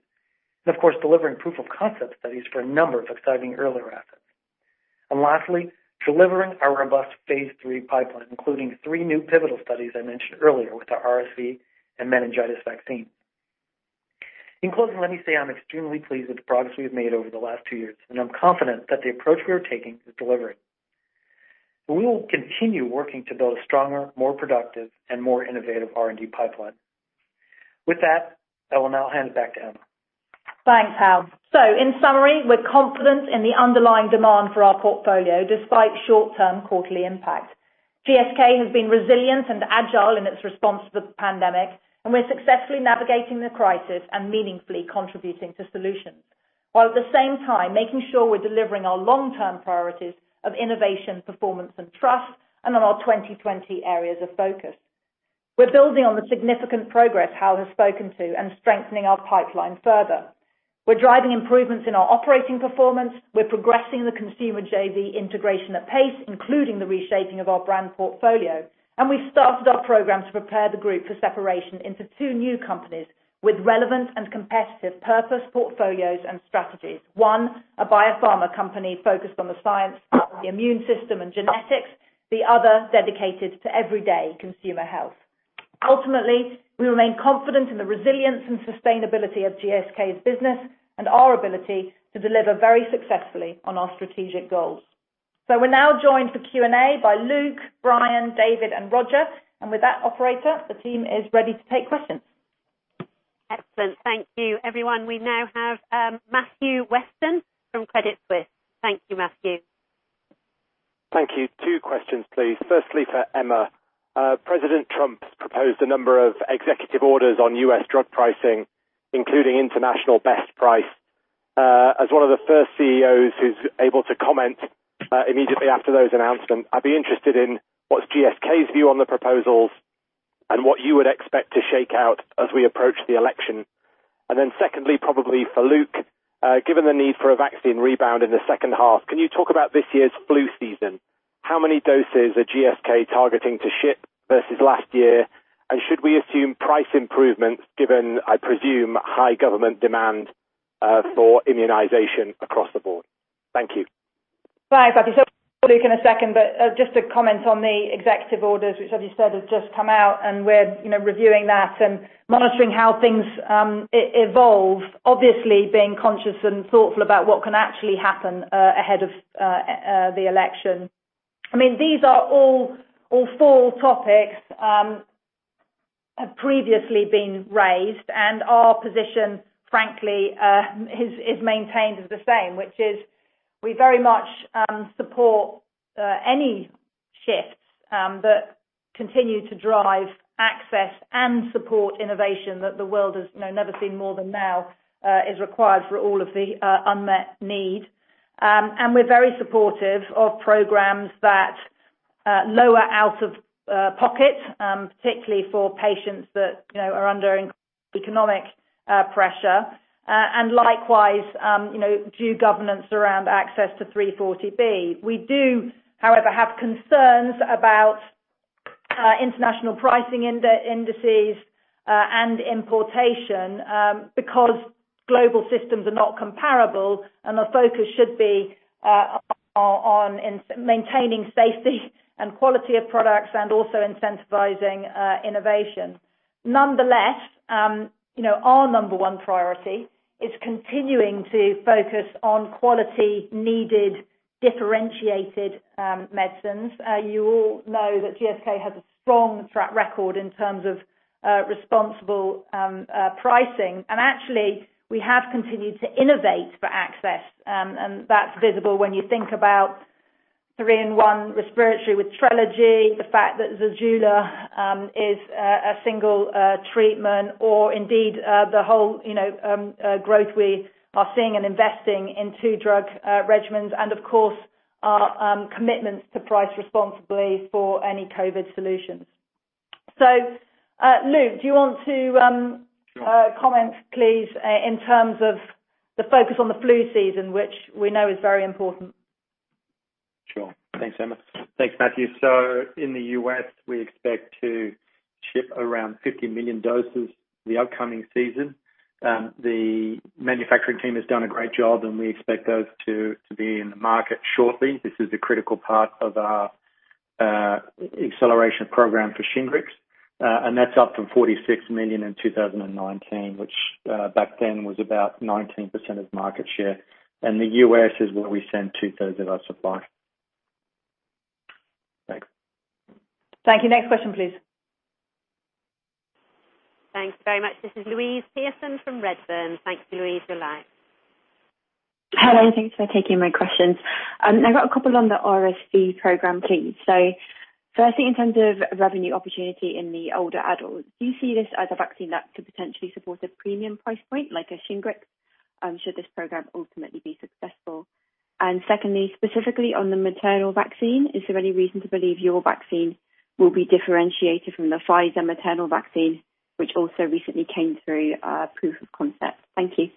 and of course, delivering proof of concept studies for a number of exciting earlier assets. Lastly, delivering our robust Phase III pipeline, including three new pivotal studies I mentioned earlier with our RSV and meningitis vaccine. In closing, let me say I'm extremely pleased with the progress we've made over the last two years, and I'm confident that the approach we are taking is delivering. We will continue working to build a stronger, more productive, and more innovative R&D pipeline. With that, I will now hand it back to Emma. Thanks, Hal. In summary, we're confident in the underlying demand for our portfolio despite short-term quarterly impact. GSK has been resilient and agile in its response to the pandemic, and we're successfully navigating the crisis and meaningfully contributing to solutions, while at the same time making sure we're delivering our long-term priorities of innovation, performance, and trust, and on our 2020 areas of focus. We're building on the significant progress Hal has spoken to and strengthening our pipeline further. We're driving improvements in our operating performance. We're progressing the Consumer JV integration at pace, including the reshaping of our brand portfolio. We've started our program to prepare the group for separation into two new companies with relevant and competitive purpose portfolios and strategies. One, a biopharma company focused on the science of the immune system and genetics, the other dedicated to everyday consumer health. We remain confident in the resilience and sustainability of GSK's business and our ability to deliver very successfully on our strategic goals. We're now joined for Q&A by Luke, Brian, David, and Roger. With that, operator, the team is ready to take questions. Excellent. Thank you, everyone. We now have Matthew Weston from Credit Suisse. Thank you, Matthew. Thank you. Two questions, please. Firstly, for Emma. President Trump's proposed a number of executive orders on U.S. drug pricing, including international best price. As one of the first CEOs who's able to comment immediately after those announcements, I'd be interested in what's GSK's view on the proposals and what you would expect to shake out as we approach the election. Secondly, probably for Luke, given the need for a vaccine rebound in the H2, can you talk about this year's flu season? How many doses are GSK targeting to ship versus last year? Should we assume price improvements given, I presume, high government demand for immunization across the board? Thank you. Right, Matthew. Luke in a second, but just to comment on the executive orders, which as you said, have just come out. We're reviewing that and monitoring how things evolve, obviously being conscious and thoughtful about what can actually happen ahead of the election. These are all four topics have previously been raised. Our position, frankly, is maintained as the same, which is we very much support any shifts that continue to drive access and support innovation that the world has never seen more than now, is required for all of the unmet need. We're very supportive of programs that lower out of pocket, particularly for patients that are under economic pressure, and likewise, due governance around access to 340B. We do, however, have concerns about international pricing indices and importation, because global systems are not comparable and the focus should be on maintaining safety and quality of products and also incentivizing innovation. Nonetheless, our number one priority is continuing to focus on quality needed differentiated medicines. You all know that GSK has a strong track record in terms of responsible pricing. Actually, we have continued to innovate for access. That's visible when you think about three-in-one respiratory with TRELEGY, the fact that ZEJULA is a single treatment or indeed, the whole growth we are seeing and investing in two-drug regimens and, of course, our commitments to price responsibly for any COVID solutions. Luke, do you want to comment, please, in terms of the focus on the flu season, which we know is very important? Sure. Thanks, Emma. Thanks, Matthew. In the U.S., we expect to ship around 50 million doses the upcoming season. The manufacturing team has done a great job, and we expect those to be in the market shortly. This is a critical part of our acceleration program for SHINGRIX. That's up from 46 million in 2019, which back then was about 19% of market share. The U.S. is where we send two-thirds of our supply. Thanks. Thank you. Next question, please. Thanks very much. This is Louise Pearson from Redburn. Thanks, Louise. You're live. Hello, thanks for taking my questions. I've got a couple on the RSV program, please. Firstly, in terms of revenue opportunity in the older adults, do you see this as a vaccine that could potentially support a premium price point like a SHINGRIX, should this program ultimately be successful? Secondly, specifically on the maternal vaccine, is there any reason to believe your vaccine will be differentiated from the Pfizer maternal vaccine, which also recently came through proof of concept? Thank you.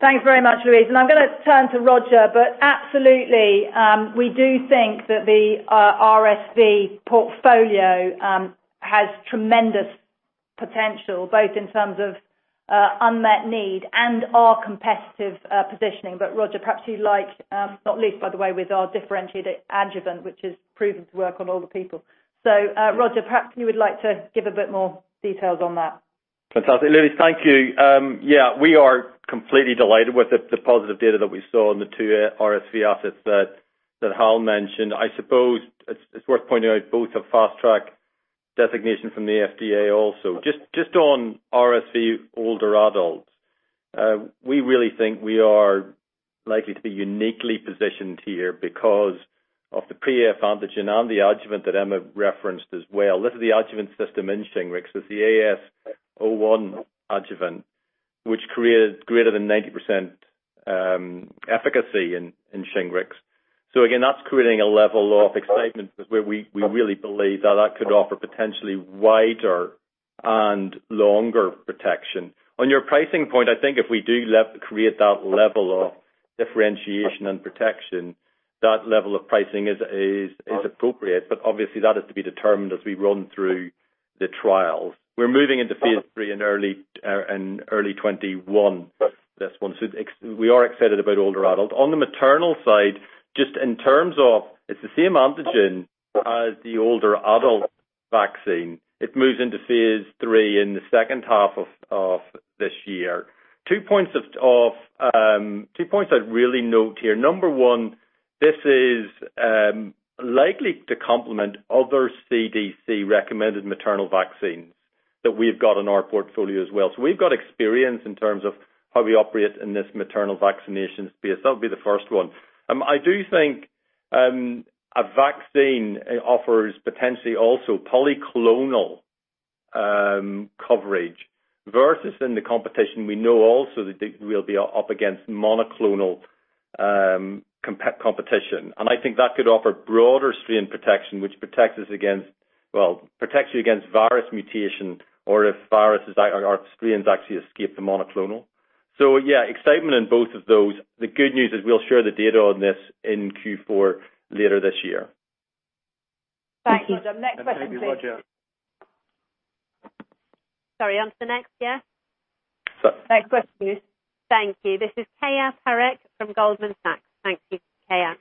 Thanks very much, Louise. I'm going to turn to Roger, but absolutely, we do think that the RSV portfolio has tremendous potential, both in terms of unmet need and our competitive positioning. Roger, perhaps not least, by the way, with our differentiated adjuvant, which is proven to work on older people. Roger, perhaps you would like to give a bit more details on that. Fantastic, Louise. Thank you. Yeah, we are completely delighted with the positive data that we saw on the two RSV assets that Hal mentioned. I suppose it's worth pointing out both have fast track designation from the FDA also. Just on RSV older adults, we really think we are likely to be uniquely positioned here because of the pre-F antigen and the adjuvant that Emma referenced as well. This is the adjuvant system in SHINGRIX. It's the AS01 adjuvant, which created greater than 90% efficacy in SHINGRIX. Again, that's creating a level of excitement where we really believe that that could offer potentially wider and longer protection. On your pricing point, I think if we do create that level of differentiation and protection, that level of pricing is appropriate. Obviously, that is to be determined as we run through the trials. We're moving into Phase III in early 2021, this one. We are excited about older adults. On the maternal side, just in terms of, it's the same antigen as the older adult vaccine. It moves into Phase III in the H2 of this year. Two points I'd really note here. Number one, this is likely to complement other CDC-recommended maternal vaccines that we've got in our portfolio as well. We've got experience in terms of how we operate in this maternal vaccination space. That would be the first one. I do think a vaccine offers potentially also polyclonal coverage versus in the competition. We know also that we'll be up against monoclonal competition. I think that could offer broader strain protection, which protects us against virus mutation or if viruses or strains actually escape the monoclonal. Yeah, excitement on both of those. The good news is we'll share the data on this in Q4 later this year. Thanks, Iain. Next question, please. Thank you, Roger. Sorry, on to the next, yeah? Next question. Thank you. This is Keyur Parekh from Goldman Sachs. Thank you. Keyur.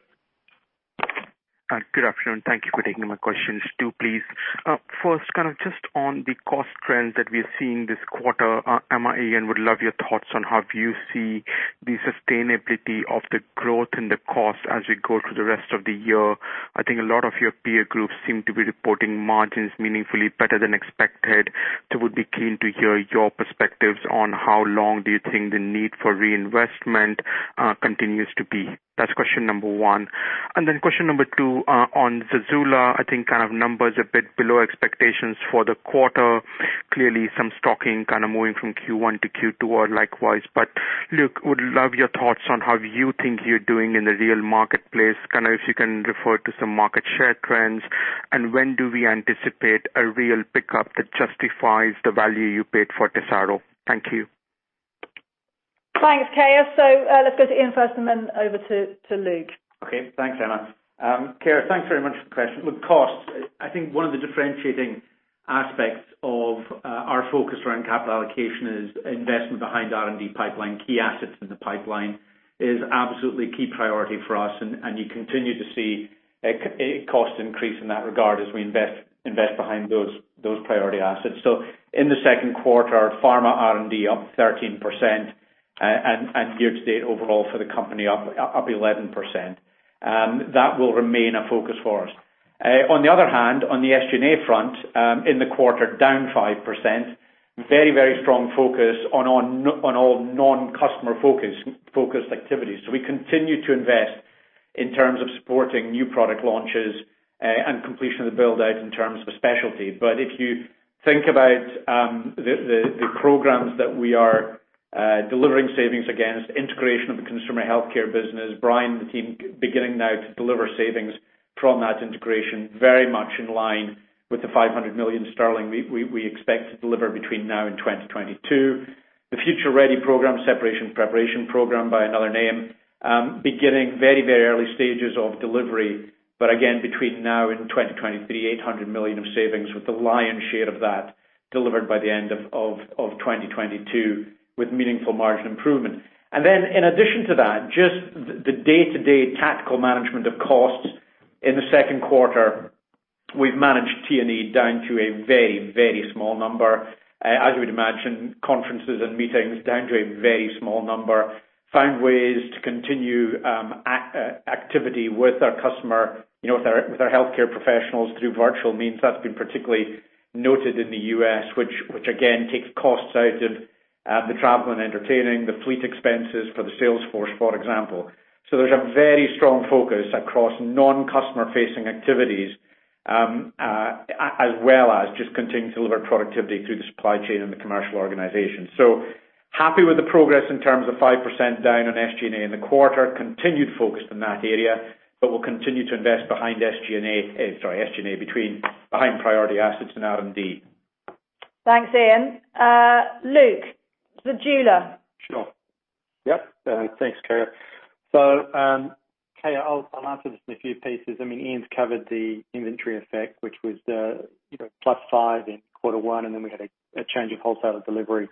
Good afternoon. Thank you for taking my questions too, please. kind of just on the cost trends that we're seeing this quarter, Emma and Iain, would love your thoughts on how you see the sustainability of the growth and the cost as we go through the rest of the year. I think a lot of your peer groups seem to be reporting margins meaningfully better than expected. would be keen to hear your perspectives on how long do you think the need for reinvestment continues to be. That's question number 1. question number 2, on ZEJULA. I think kind of numbers a bit below expectations for the quarter. Clearly, some stocking kind of moving from Q1 to Q2 or likewise. Luke, would love your thoughts on how you think you're doing in the real marketplace. Kind of if you can refer to some market share trends, and when do we anticipate a real pickup that justifies the value you paid for TESARO. Thank you. Thanks, Keyur. Let's go to Iain first and then over to Luke. Thanks, Emma. Keyur, thanks very much for the question. Costs, I think one of the differentiating aspects of our focus around capital allocation is investment behind R&D pipeline. Key assets in the pipeline is absolutely a key priority for us, and you continue to see a cost increase in that regard as we invest behind those priority assets. In the Q2, pharma R&D up 13%, and year to date overall for the company up 11%. That will remain a focus for us. On the other hand, on the SG&A front, in the quarter, down 5%. Very, very strong focus on all non-customer-focused activities. We continue to invest in terms of supporting new product launches and completion of the build-out in terms of specialty. If you think about the programs that we are delivering savings against, integration of the consumer healthcare business. Brian and the team beginning now to deliver savings from that integration very much in line with the 500 million sterling we expect to deliver between now and 2022. The Future Ready program, Separation Preparation program by another name, beginning very, very early stages of delivery. Again, between now and 2023, 800 million of savings with the lion's share of that delivered by the end of 2022 with meaningful margin improvement. In addition to that, just the day-to-day tactical management of costs in the Q2, we've managed T&E down to a very, very small number. As you would imagine, conferences and meetings down to a very small number. Found ways to continue activity with our customer, with our healthcare professionals through virtual means. That's been particularly noted in the U.S., which again takes costs out of the travel and entertaining, the fleet expenses for the sales force, for example. There's a very strong focus across non-customer-facing activities, as well as just continuing to deliver productivity through the supply chain and the commercial organization. Happy with the progress in terms of 5% down on SG&A in the quarter. Continued focus in that area, we'll continue to invest behind SG&A between behind priority assets and R&D. Thanks, Iain. Luke, ZEJULA. Sure. Yep. Thanks, Keyur. Keyur, I'll answer this in a few pieces. Iain's covered the inventory effect, which was +5 in Q1, and then we had a change in wholesaler delivery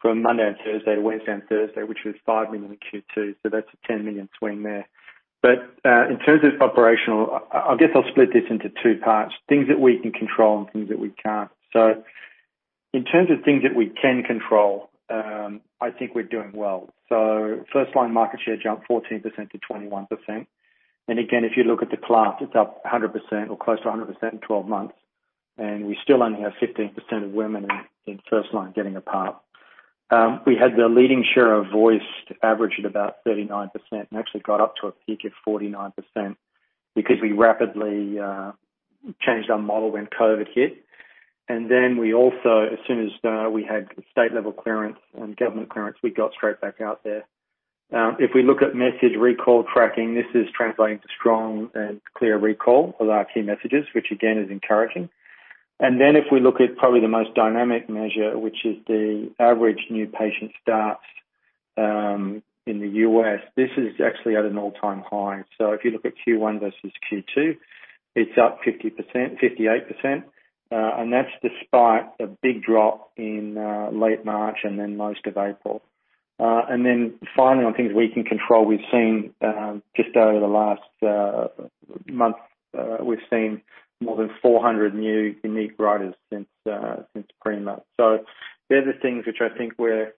from Monday and Tuesday to Wednesday and Thursday, which was 5 million in Q2, so that's a 10 million swing there. In terms of operational, I guess I'll split this into two parts, things that we can control and things that we can't. In terms of things that we can control, I think we're doing well. First-line market share jumped 14% to 21%. Again, if you look at the class, it's up 100% or close to 100% in 12 months. We still only have 15% of women in first line getting a PARP. We had the leading share of voice average at about 39% and actually got up to a peak of 49%. Because we rapidly changed our model when COVID hit. We also, as soon as we had state-level clearance and government clearance, we got straight back out there. If we look at message recall tracking, this is translating to strong and clear recall of our key messages, which again, is encouraging. If we look at probably the most dynamic measure, which is the average new patient starts in the U.S., this is actually at an all-time high. If you look at Q1 versus Q2, it's up 58%, and that's despite a big drop in late March and then most of April. Finally, on things we can control, we've seen just over the last month, we've seen more than 400 new unique writers since PRIMA. They're the things which I think are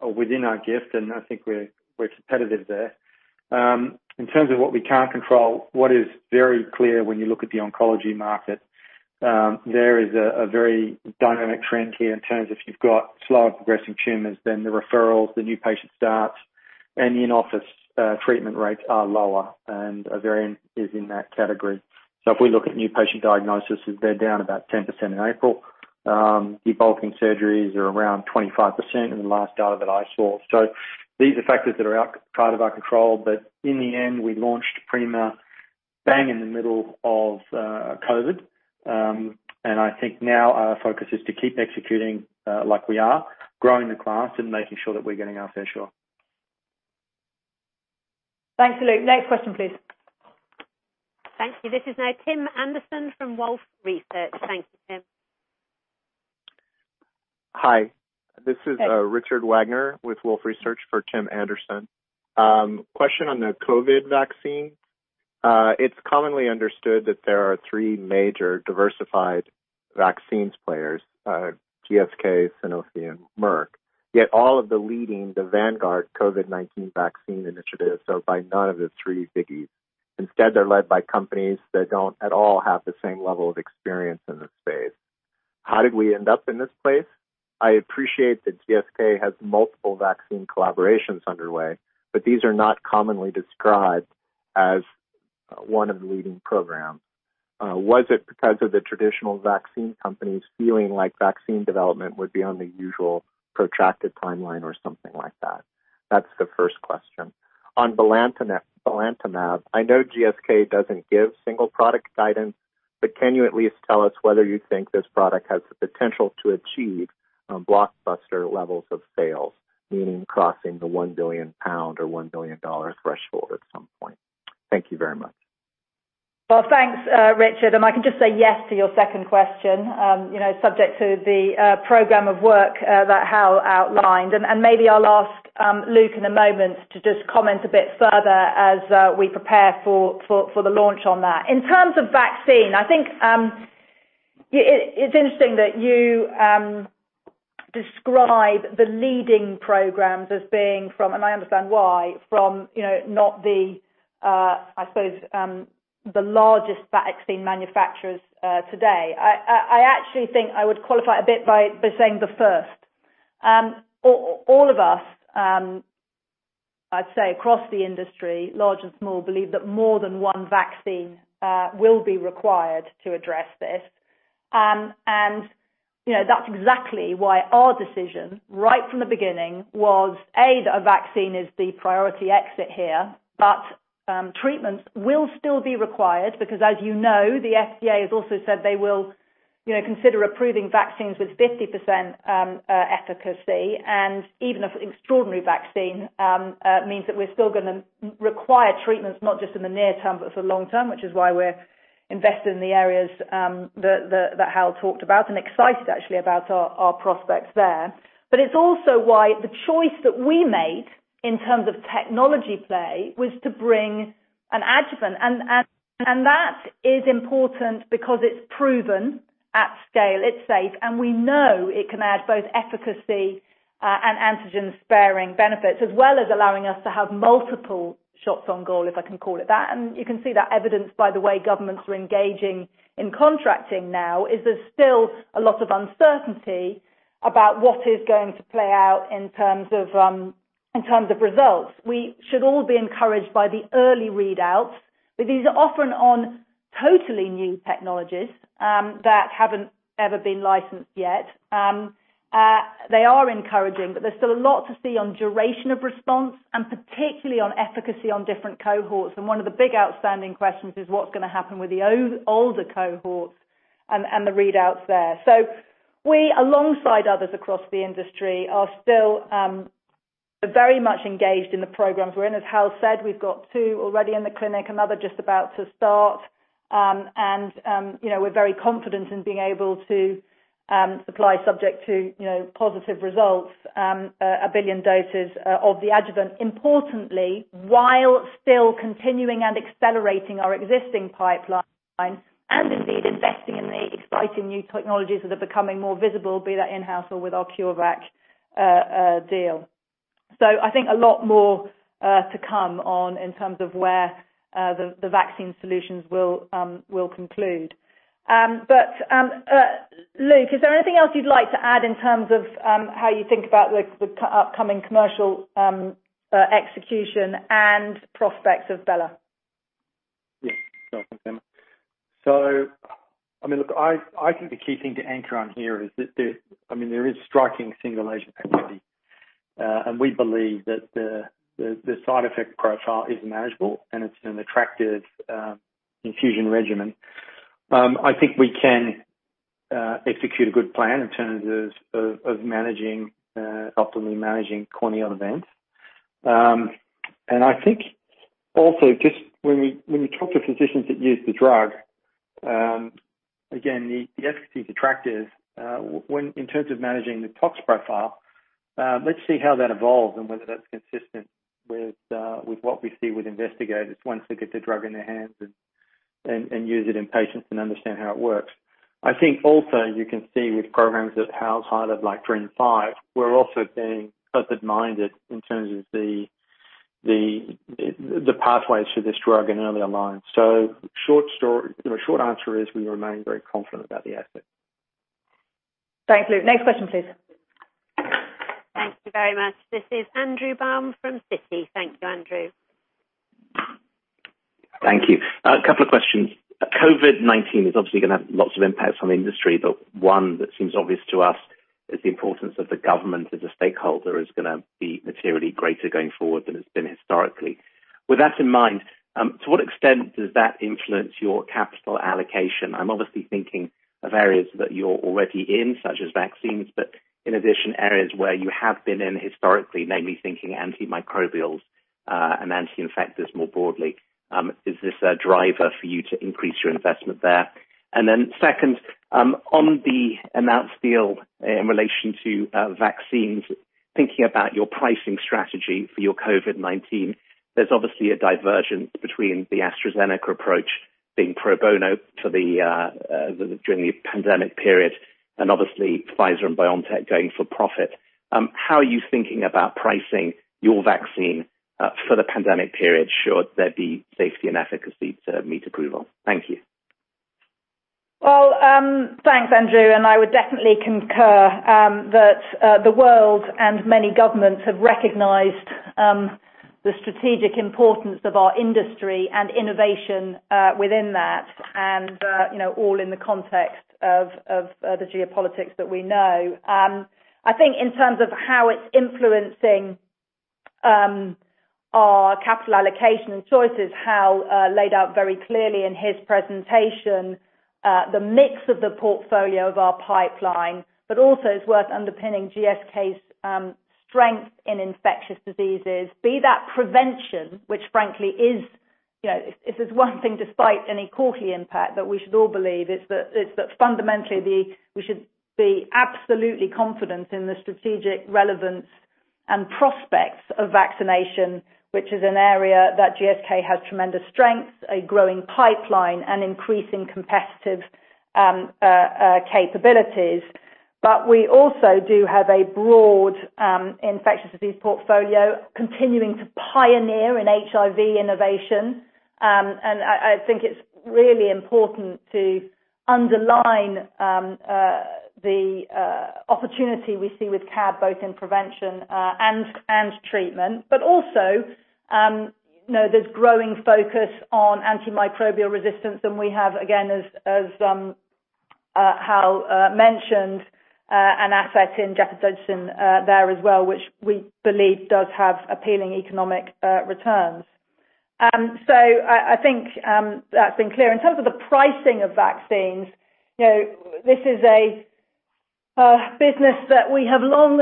within our gift, and I think we're competitive there. In terms of what we can't control, what is very clear when you look at the oncology market, there is a very dynamic trend here in terms of if you've got slower progressing tumors than the referrals, the new patient starts, and in-office treatment rates are lower, and ovarian is in that category. If we look at new patient diagnosis, they're down about 10% in April. Debulking surgeries are around 25% in the last data that I saw. These are factors that are out part of our control, but in the end, we launched PRIMA bang in the middle of COVID. I think now our focus is to keep executing like we are, growing the class, and making sure that we're getting our fair share. Thanks, Luke. Next question, please. Thank you. This is now Tim Anderson from Wolfe Research. Thank you, Tim. Hi. Hi. This is Richard Wagner with Wolfe Research for Tim Anderson. Question on the COVID vaccine. It is commonly understood that there are three major diversified vaccines players, GSK, Sanofi, and Merck, yet all of the leading the vanguard COVID-19 vaccine initiatives are by none of the three biggies. Instead, they are led by companies that do not at all have the same level of experience in this space. How did we end up in this place? I appreciate that GSK has multiple vaccine collaborations underway, but these are not commonly described as one of the leading programs. Was it because of the traditional vaccine companies feeling like vaccine development would be on the usual protracted timeline or something like that? That is the first question. On belantamab, I know GSK doesn't give single product guidance, but can you at least tell us whether you think this product has the potential to achieve blockbuster levels of sales, meaning crossing the 1 billion pound or 1 billion dollar threshold at some point? Thank you very much. Well, thanks, Richard. I can just say yes to your second question, subject to the program of work that Hal outlined. Maybe I'll ask Luke in a moment to just comment a bit further as we prepare for the launch on that. In terms of vaccine, I think it's interesting that you describe the leading programs as being from, and I understand why, from not the largest vaccine manufacturers today. I actually think I would qualify a bit by saying the first. All of us, I'd say across the industry, large and small, believe that more than one vaccine will be required to address this. That's exactly why our decision, right from the beginning, was, A, that a vaccine is the priority exit here. Treatments will still be required because as you know, the FDA has also said they will consider approving vaccines with 50% efficacy. Even if extraordinary vaccine means that we're still going to require treatments not just in the near term but for the long term, which is why we're invested in the areas that Hal talked about and excited actually about our prospects there. It's also why the choice that we made in terms of technology play was to bring an adjuvant. That is important because it's proven at scale, it's safe, and we know it can add both efficacy and antigen-sparing benefits, as well as allowing us to have multiple shots on goal, if I can call it that. You can see that evidenced by the way governments are engaging in contracting now, is there's still a lot of uncertainty about what is going to play out in terms of results. We should all be encouraged by the early readouts. These are often on totally new technologies that haven't ever been licensed yet. They are encouraging, but there's still a lot to see on duration of response and particularly on efficacy on different cohorts. One of the big outstanding questions is what's going to happen with the older cohorts and the readouts there. We, alongside others across the industry, are still very much engaged in the programs we're in. As Hal said, we've got two already in the clinic, another just about to start. We're very confident in being able to supply subject to positive results, a billion doses of the adjuvant. Importantly, while still continuing and accelerating our existing pipeline and indeed investing in the exciting new technologies that are becoming more visible, be that in-house or with our CureVac deal. I think a lot more to come on in terms of where the vaccine solutions will conclude. Luke, is there anything else you'd like to add in terms of how you think about the upcoming commercial execution and prospects of belamaf? Yes. No, thanks, Emma. I think the key thing to anchor on here is that there is striking single agent activity, and we believe that the side effect profile is manageable, and it's an attractive infusion regimen. I think we can execute a good plan in terms of optimally managing corneal events. I think also just when we talk to physicians that use the drug, again, the efficacy is attractive. In terms of managing the tox profile, let's see how that evolves and whether that's consistent with what we see with investigators once they get the drug in their hands and use it in patients and understand how it works. I think also you can see with programs that Hal's highlighted like TRIN5, we're also being open-minded in terms of the pathways for this drug in early alliance. The short answer is we remain very confident about the asset. Thanks, Luke. Next question, please. Thank you very much. This is Andrew Baum from Citi. Thank you, Andrew. Thank you. A couple of questions. COVID-19 is obviously going to have lots of impacts on the industry, but one that seems obvious to us is the importance of the government as a stakeholder is going to be materially greater going forward than it's been historically. With that in mind, to what extent does that influence your capital allocation? I'm obviously thinking of areas that you're already in, such as vaccines, but in addition, areas where you have been in historically, mainly thinking antimicrobials and anti-infectives more broadly. Is this a driver for you to increase your investment there? Second, on the announced deal in relation to vaccines, thinking about your pricing strategy for your COVID-19, there's obviously a divergence between the AstraZeneca approach being pro bono during the pandemic period, and obviously Pfizer and BioNTech going for profit. How are you thinking about pricing your vaccine for the pandemic period should there be safety and efficacy to meet approval? Thank you. Well, thanks, Andrew, I would definitely concur that the world and many governments have recognized the strategic importance of our industry and innovation within that, and all in the context of the geopolitics that we know. I think in terms of how it's influencing our capital allocation and choices, Hal laid out very clearly in his presentation the mix of the portfolio of our pipeline, but also it's worth underpinning GSK's strength in infectious diseases, be that prevention, which frankly is, if there's one thing despite any COVID impact that we should all believe, it's that fundamentally we should be absolutely confident in the strategic relevance and prospects of vaccination, which is an area that GSK has tremendous strength, a growing pipeline, and increasing competitive capabilities. We also do have a broad infectious disease portfolio continuing to pioneer in HIV innovation. I think it's really important to underline the opportunity we see with CAB both in prevention and treatment. Also, there's growing focus on antimicrobial resistance, and we have, again, as Hal mentioned, an asset in gepotidacin there as well, which we believe does have appealing economic returns. I think that's been clear. In terms of the pricing of vaccines, this is a business that we have long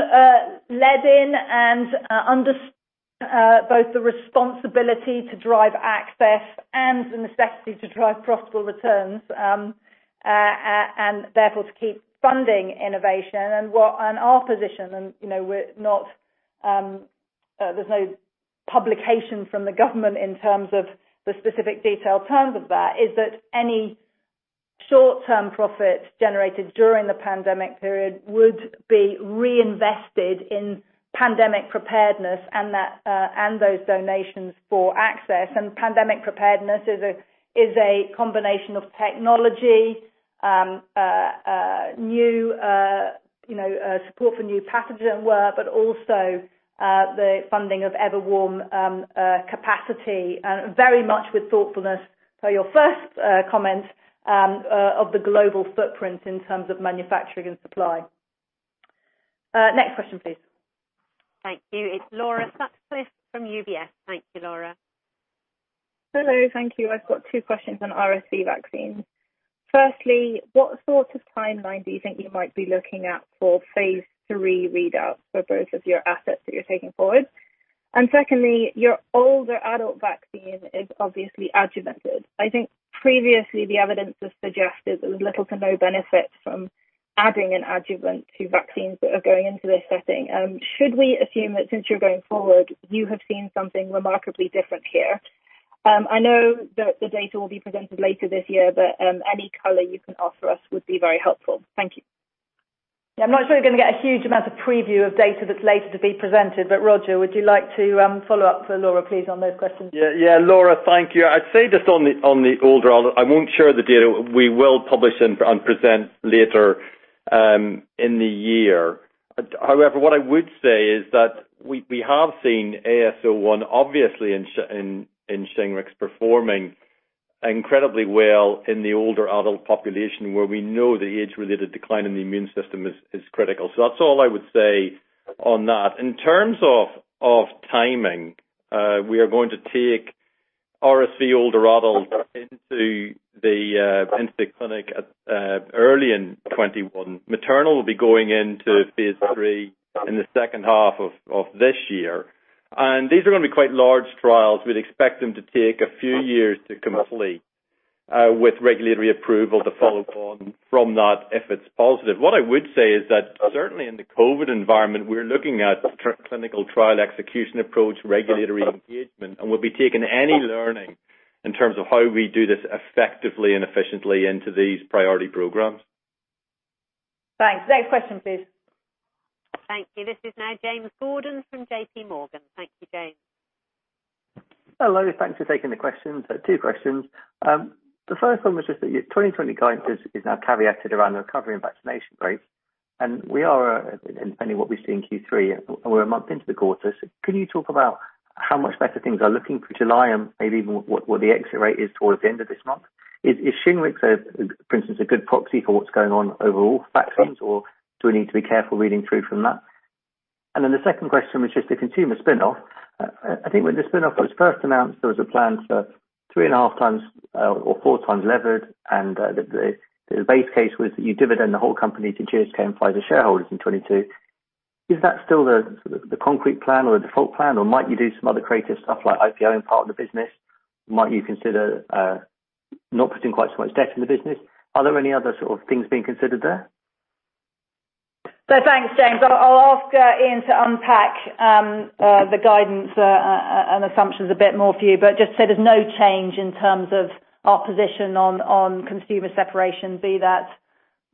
led in and understand both the responsibility to drive access and the necessity to drive profitable returns, and therefore to keep funding innovation. Our position, and there's no publication from the government in terms of the specific detailed terms of that, is that any short-term profits generated during the pandemic period would be reinvested in pandemic preparedness and those donations for access. Pandemic preparedness is a combination of technology, support for new pathogen work, but also the funding of ever warm capacity, very much with thoughtfulness for your first comment of the global footprint in terms of manufacturing and supply. Next question, please. Thank you. It's Laura Sutcliffe from UBS. Thank you, Laura. Hello. Thank you. I've got two questions on RSV vaccine. Firstly, what sort of timeline do you think you might be looking at for Phase III readouts for both of your assets that you're taking forward? Secondly, your older adult vaccine is obviously adjuvanted. I think previously the evidence has suggested there was little to no benefit from adding an adjuvant to vaccines that are going into this setting. Should we assume that since you're going forward, you have seen something remarkably different here? I know that the data will be presented later this year, any color you can offer us would be very helpful. Thank you. Yeah, I'm not sure you're going to get a huge amount of preview of data that's later to be presented. Roger, would you like to follow up for Laura, please, on those questions? Laura, thank you. I'd say just on the older adult, I won't share the data we will publish and present later in the year. What I would say is that we have seen AS01 obviously in SHINGRIX performing incredibly well in the older adult population, where we know the age-related decline in the immune system is critical. That's all I would say on that. In terms of timing, we are going to take RSV older adults into the clinic early in 2021. Maternal will be going into Phase III in the H2 of this year. These are going to be quite large trials. We'd expect them to take a few years to complete, with regulatory approval to follow from that if it's positive. What I would say is that certainly in the COVID environment, we're looking at clinical trial execution approach, regulatory engagement. We'll be taking any learning in terms of how we do this effectively and efficiently into these priority programs. Thanks. Next question, please. Thank you. This is now James Gordon from JP Morgan. Thank you, James. Hello. Thanks for taking the question. Two questions. The first one was just that your 2020 guidance is now caveated around the recovery and vaccination rates. We are, depending on what we see in Q3, we're a month into the quarter. Can you talk about how much better things are looking for July and maybe even what the exit rate is toward the end of this month? Is Shingrix, for instance, a good proxy for what's going on overall with vaccines or do we need to be careful reading through from that? The second question was just the consumer spinoff. I think when the spinoff was first announced, there was a plan for 3.5x or 4x levered, and the base case was that you dividend the whole company to GSK and Pfizer shareholders in 2022. Is that still the concrete plan or the default plan, or might you do some other creative stuff like IPOing part of the business? Might you consider not putting quite so much debt in the business? Are there any other sort of things being considered there? Thanks, James. I'll ask Iain to unpack the guidance and assumptions a bit more for you, but just so there's no change in terms of our position on consumer separation, be that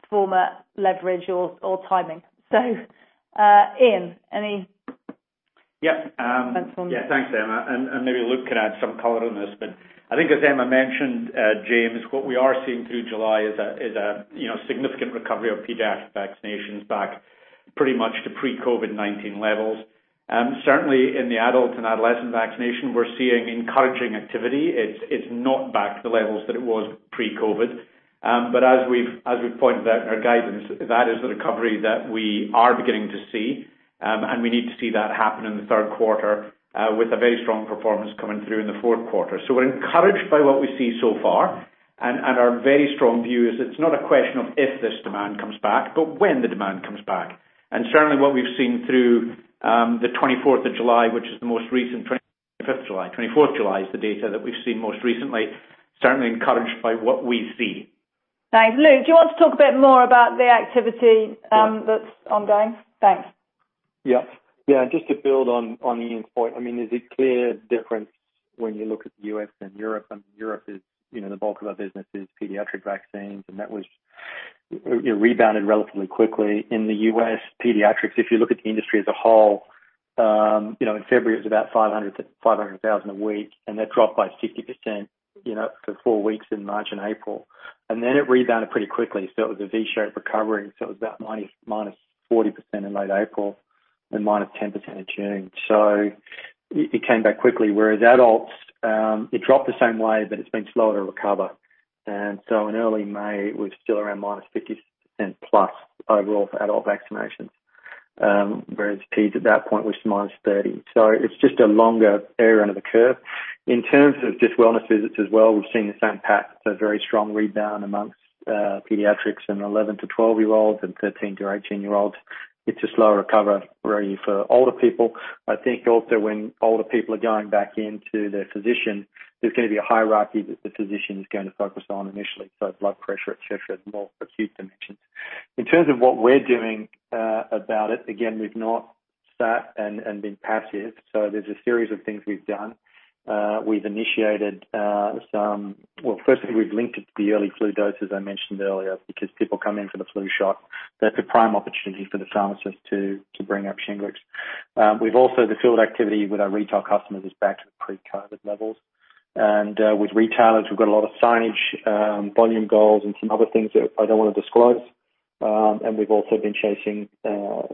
former leverage or timing. Iain. Yeah thoughts on that? Thanks, Emma. Maybe Luke can add some color on this, but I think as Emma mentioned, James, what we are seeing through July is a significant recovery of pediatric vaccinations back pretty much to pre-COVID-19 levels. Certainly in the adult and adolescent vaccination, we're seeing encouraging activity. It's not back to the levels that it was pre-COVID-19. As we've pointed out in our guidance, that is the recovery that we are beginning to see. We need to see that happen in the Q3, with a very strong performance coming through in the Q4. We're encouraged by what we see so far and our very strong view is it's not a question of if this demand comes back, but when the demand comes back. Certainly what we've seen through the 24th of July, which is the most recent, 25th July. 24th July is the data that we've seen most recently, certainly encouraged by what we see. Thanks. Luke, do you want to talk a bit more about the activity that's ongoing? Thanks. Yeah. Just to build on Iain's point, there's a clear difference when you look at the U.S. and Europe. Europe is the bulk of our business is pediatric vaccines, and that rebounded relatively quickly. In the U.S., pediatrics, if you look at the industry as a whole, in February it was about 500,000 a week, and that dropped by 60% for four weeks in March and April. It rebounded pretty quickly. It was a V-shaped recovery. It was about -40% in late April and -10% in June. It came back quickly. Whereas adults, it dropped the same way, but it's been slower to recover. In early May, it was still around -50% plus overall for adult vaccinations. Whereas pediatrics at that point was -30. It's just a longer area under the curve. In terms of just wellness visits as well, we've seen the same pattern, a very strong rebound amongst pediatrics in 11 to 12-year-olds and 13 to 18-year-olds. It's a slower recovery for older people. I think also when older people are going back into their physician, there's going to be a hierarchy that the physician is going to focus on initially. Blood pressure, et cetera, more acute dimensions. In terms of what we're doing about it, again, we've not sat and been passive. There's a series of things we've done. We've initiated well, firstly, we've linked it to the early flu dose, as I mentioned earlier, because people come in for the flu shot. That's a prime opportunity for the pharmacist to bring up SHINGRIX. We've also, the field activity with our retail customers is back to pre-COVID levels. With retailers, we've got a lot of signage, volume goals, and some other things that I don't want to disclose. We've also been chasing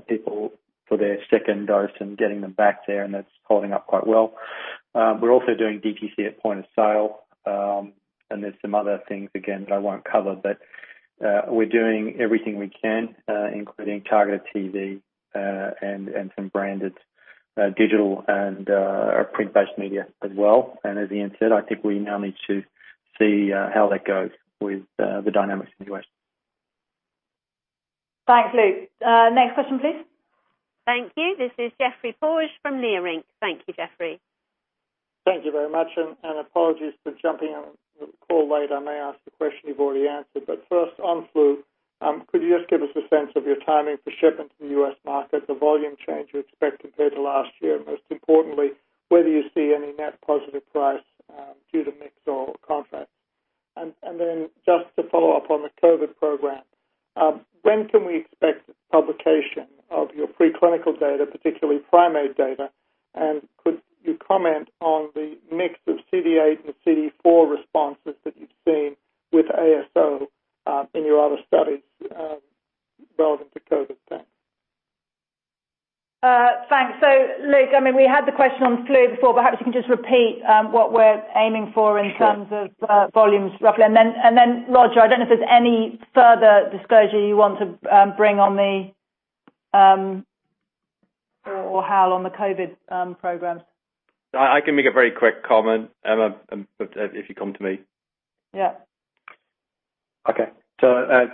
people for their second dose and getting them back there, and that's holding up quite well. We're also doing DTC at point of sale. There's some other things again that I won't cover. We're doing everything we can, including targeted TV, and some branded digital and print-based media as well. As Iain said, I think we now need to see how that goes with the dynamics in the U.S. Thanks, Luke. Next question, please. Thank you. This is Geoffrey Porges from SVB Leerink. Thank you, Jeffrey. Thank you very much, apologies for jumping on the call late. I may ask a question you've already answered. First on flu, could you just give us a sense of your timing for shipment to the U.S. market, the volume change you expect compared to last year, and most importantly, whether you see any net positive price due to mix or contracts? Just to follow up on the COVID program, when can we expect publication of your preclinical data, particularly primate data? Could you comment on the mix of CD8 and CD4 responses that you've seen with AS01, in your other studies, relevant to COVID? Thanks. Thanks. Luke, I mean, we had the question on flu before. Perhaps you can just repeat what we're aiming for in terms of volumes roughly. Roger, I don't know if there's any further disclosure you want to bring on the or Hal on the COVID program. I can make a very quick comment, Emma, if you come to me. Yeah.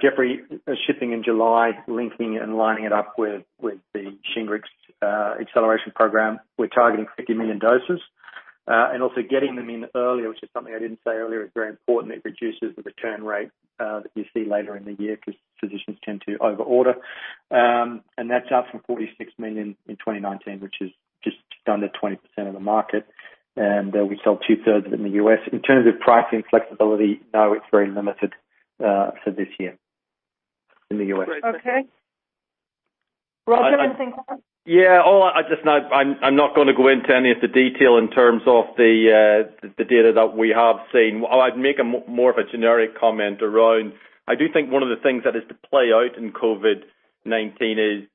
Jeffrey, shipping in July, linking and lining it up with the SHINGRIX acceleration program. We’re targeting 50 million doses. Also getting them in earlier, which is something I didn’t say earlier, is very important. It reduces the return rate that you see later in the year because physicians tend to over-order. That’s up from 46 million in 2019, which is just under 20% of the market. We sell 2/3 of it in the U.S. In terms of pricing flexibility, no, it’s very limited for this year in the U.S. Okay. Roger, anything to add? I'm not going to go into any of the detail in terms of the data that we have seen. I'd make more of a generic comment around, I do think one of the things that is to play out in COVID-19 is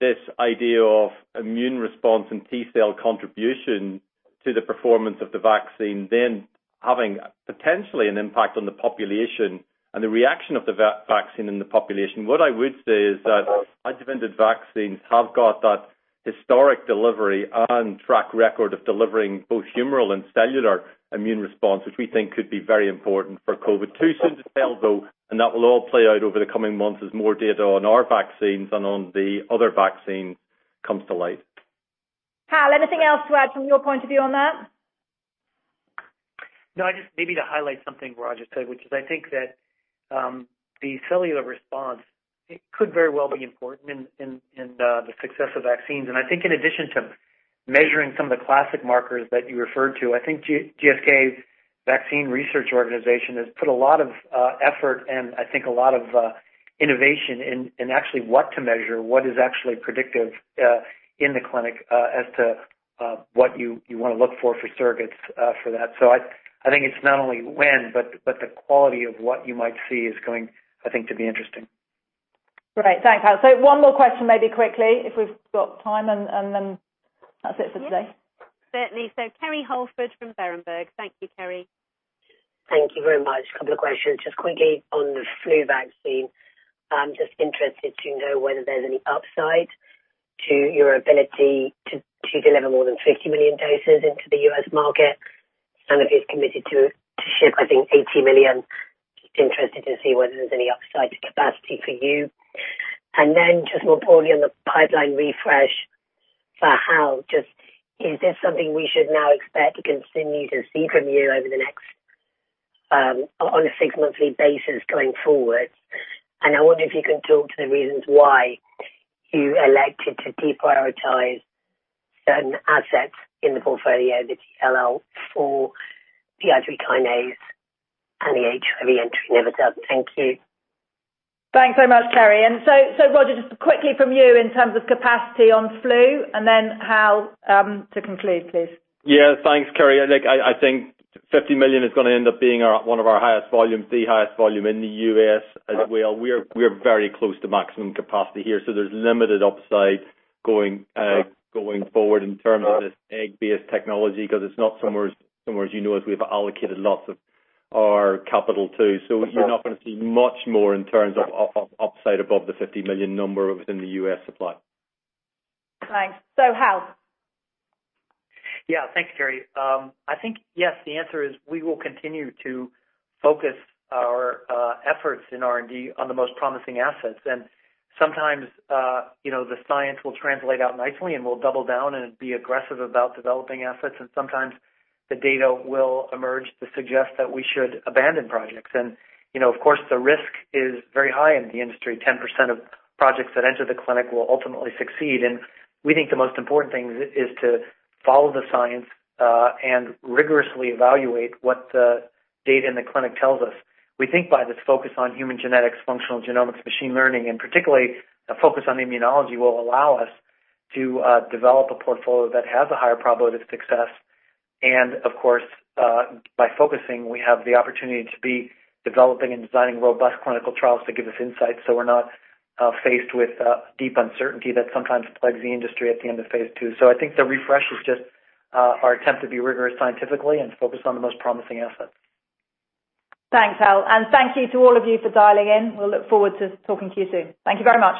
this idea of immune response and T-cell contribution to the performance of the vaccine, then having potentially an impact on the population and the reaction of the vaccine in the population. What I would say is that adjuvanted vaccines have got that historic delivery and track record of delivering both humoral and cellular immune response, which we think could be very important for COVID. Too soon to tell, though, and that will all play out over the coming months as more data on our vaccines and on the other vaccines comes to light. Hal, anything else to add from your point of view on that? Just maybe to highlight something Roger said, which is I think that the cellular response could very well be important in the success of vaccines. I think in addition to measuring some of the classic markers that you referred to, I think GSK's vaccine research organization has put a lot of effort and I think a lot of innovation in actually what to measure, what is actually predictive in the clinic as to what you want to look for surrogates for that. I think it's not only when, but the quality of what you might see is going, I think, to be interesting. Great. Thanks, Hal. One more question, maybe quickly, if we've got time, and then that's it for today. Certainly. Kerry Holford from Berenberg. Thank you, Kerry. Thank you very much. A couple of questions. Quickly on the flu vaccine, I'm just interested to know whether there's any upside to your ability to deliver more than 50 million doses into the U.S. market. I know you've committed to ship, I think, 80 million. Interested to see whether there's any upside to capacity for you. More broadly on the pipeline refresh for Hal, is this something we should now expect to continue to see from you over the next, on a six-monthly basis going forward? I wonder if you can talk to the reasons why you elected to deprioritize certain assets in the portfolio, the TLR4, the aryl kinase, and the HIV entry inhibitor. Thank you. Thanks so much, Kerry. Roger, just quickly from you in terms of capacity on flu and then Hal to conclude, please. Yeah. Thanks, Kerry. Look, I think 50 million is going to end up being one of our highest volumes, the highest volume in the U.S. as well. We're very close to maximum capacity here, so there's limited upside going forward in terms of this egg-based technology, because it's not somewhere, as you know, we've allocated lots of our capital to. You're not going to see much more in terms of upside above the 50 million number within the U.S. supply. Thanks. Hal. Yeah. Thanks, Kerry. I think, yes, the answer is we will continue to focus our efforts in R&D on the most promising assets. Sometimes, the science will translate out nicely, and we'll double down and be aggressive about developing assets, and sometimes the data will emerge to suggest that we should abandon projects. Of course, the risk is very high in the industry. 10% of projects that enter the clinic will ultimately succeed, and we think the most important thing is to follow the science, and rigorously evaluate what the data in the clinic tells us. We think by this focus on human genetics, functional genomics, machine learning, and particularly a focus on immunology, will allow us to develop a portfolio that has a higher probability of success. Of course, by focusing, we have the opportunity to be developing and designing robust clinical trials to give us insights so we're not faced with deep uncertainty that sometimes plagues the industry at the end of Phase II. I think the refresh is just our attempt to be rigorous scientifically and focus on the most promising assets. Thanks, Hal, and thank you to all of you for dialing in. We'll look forward to talking to you soon. Thank you very much.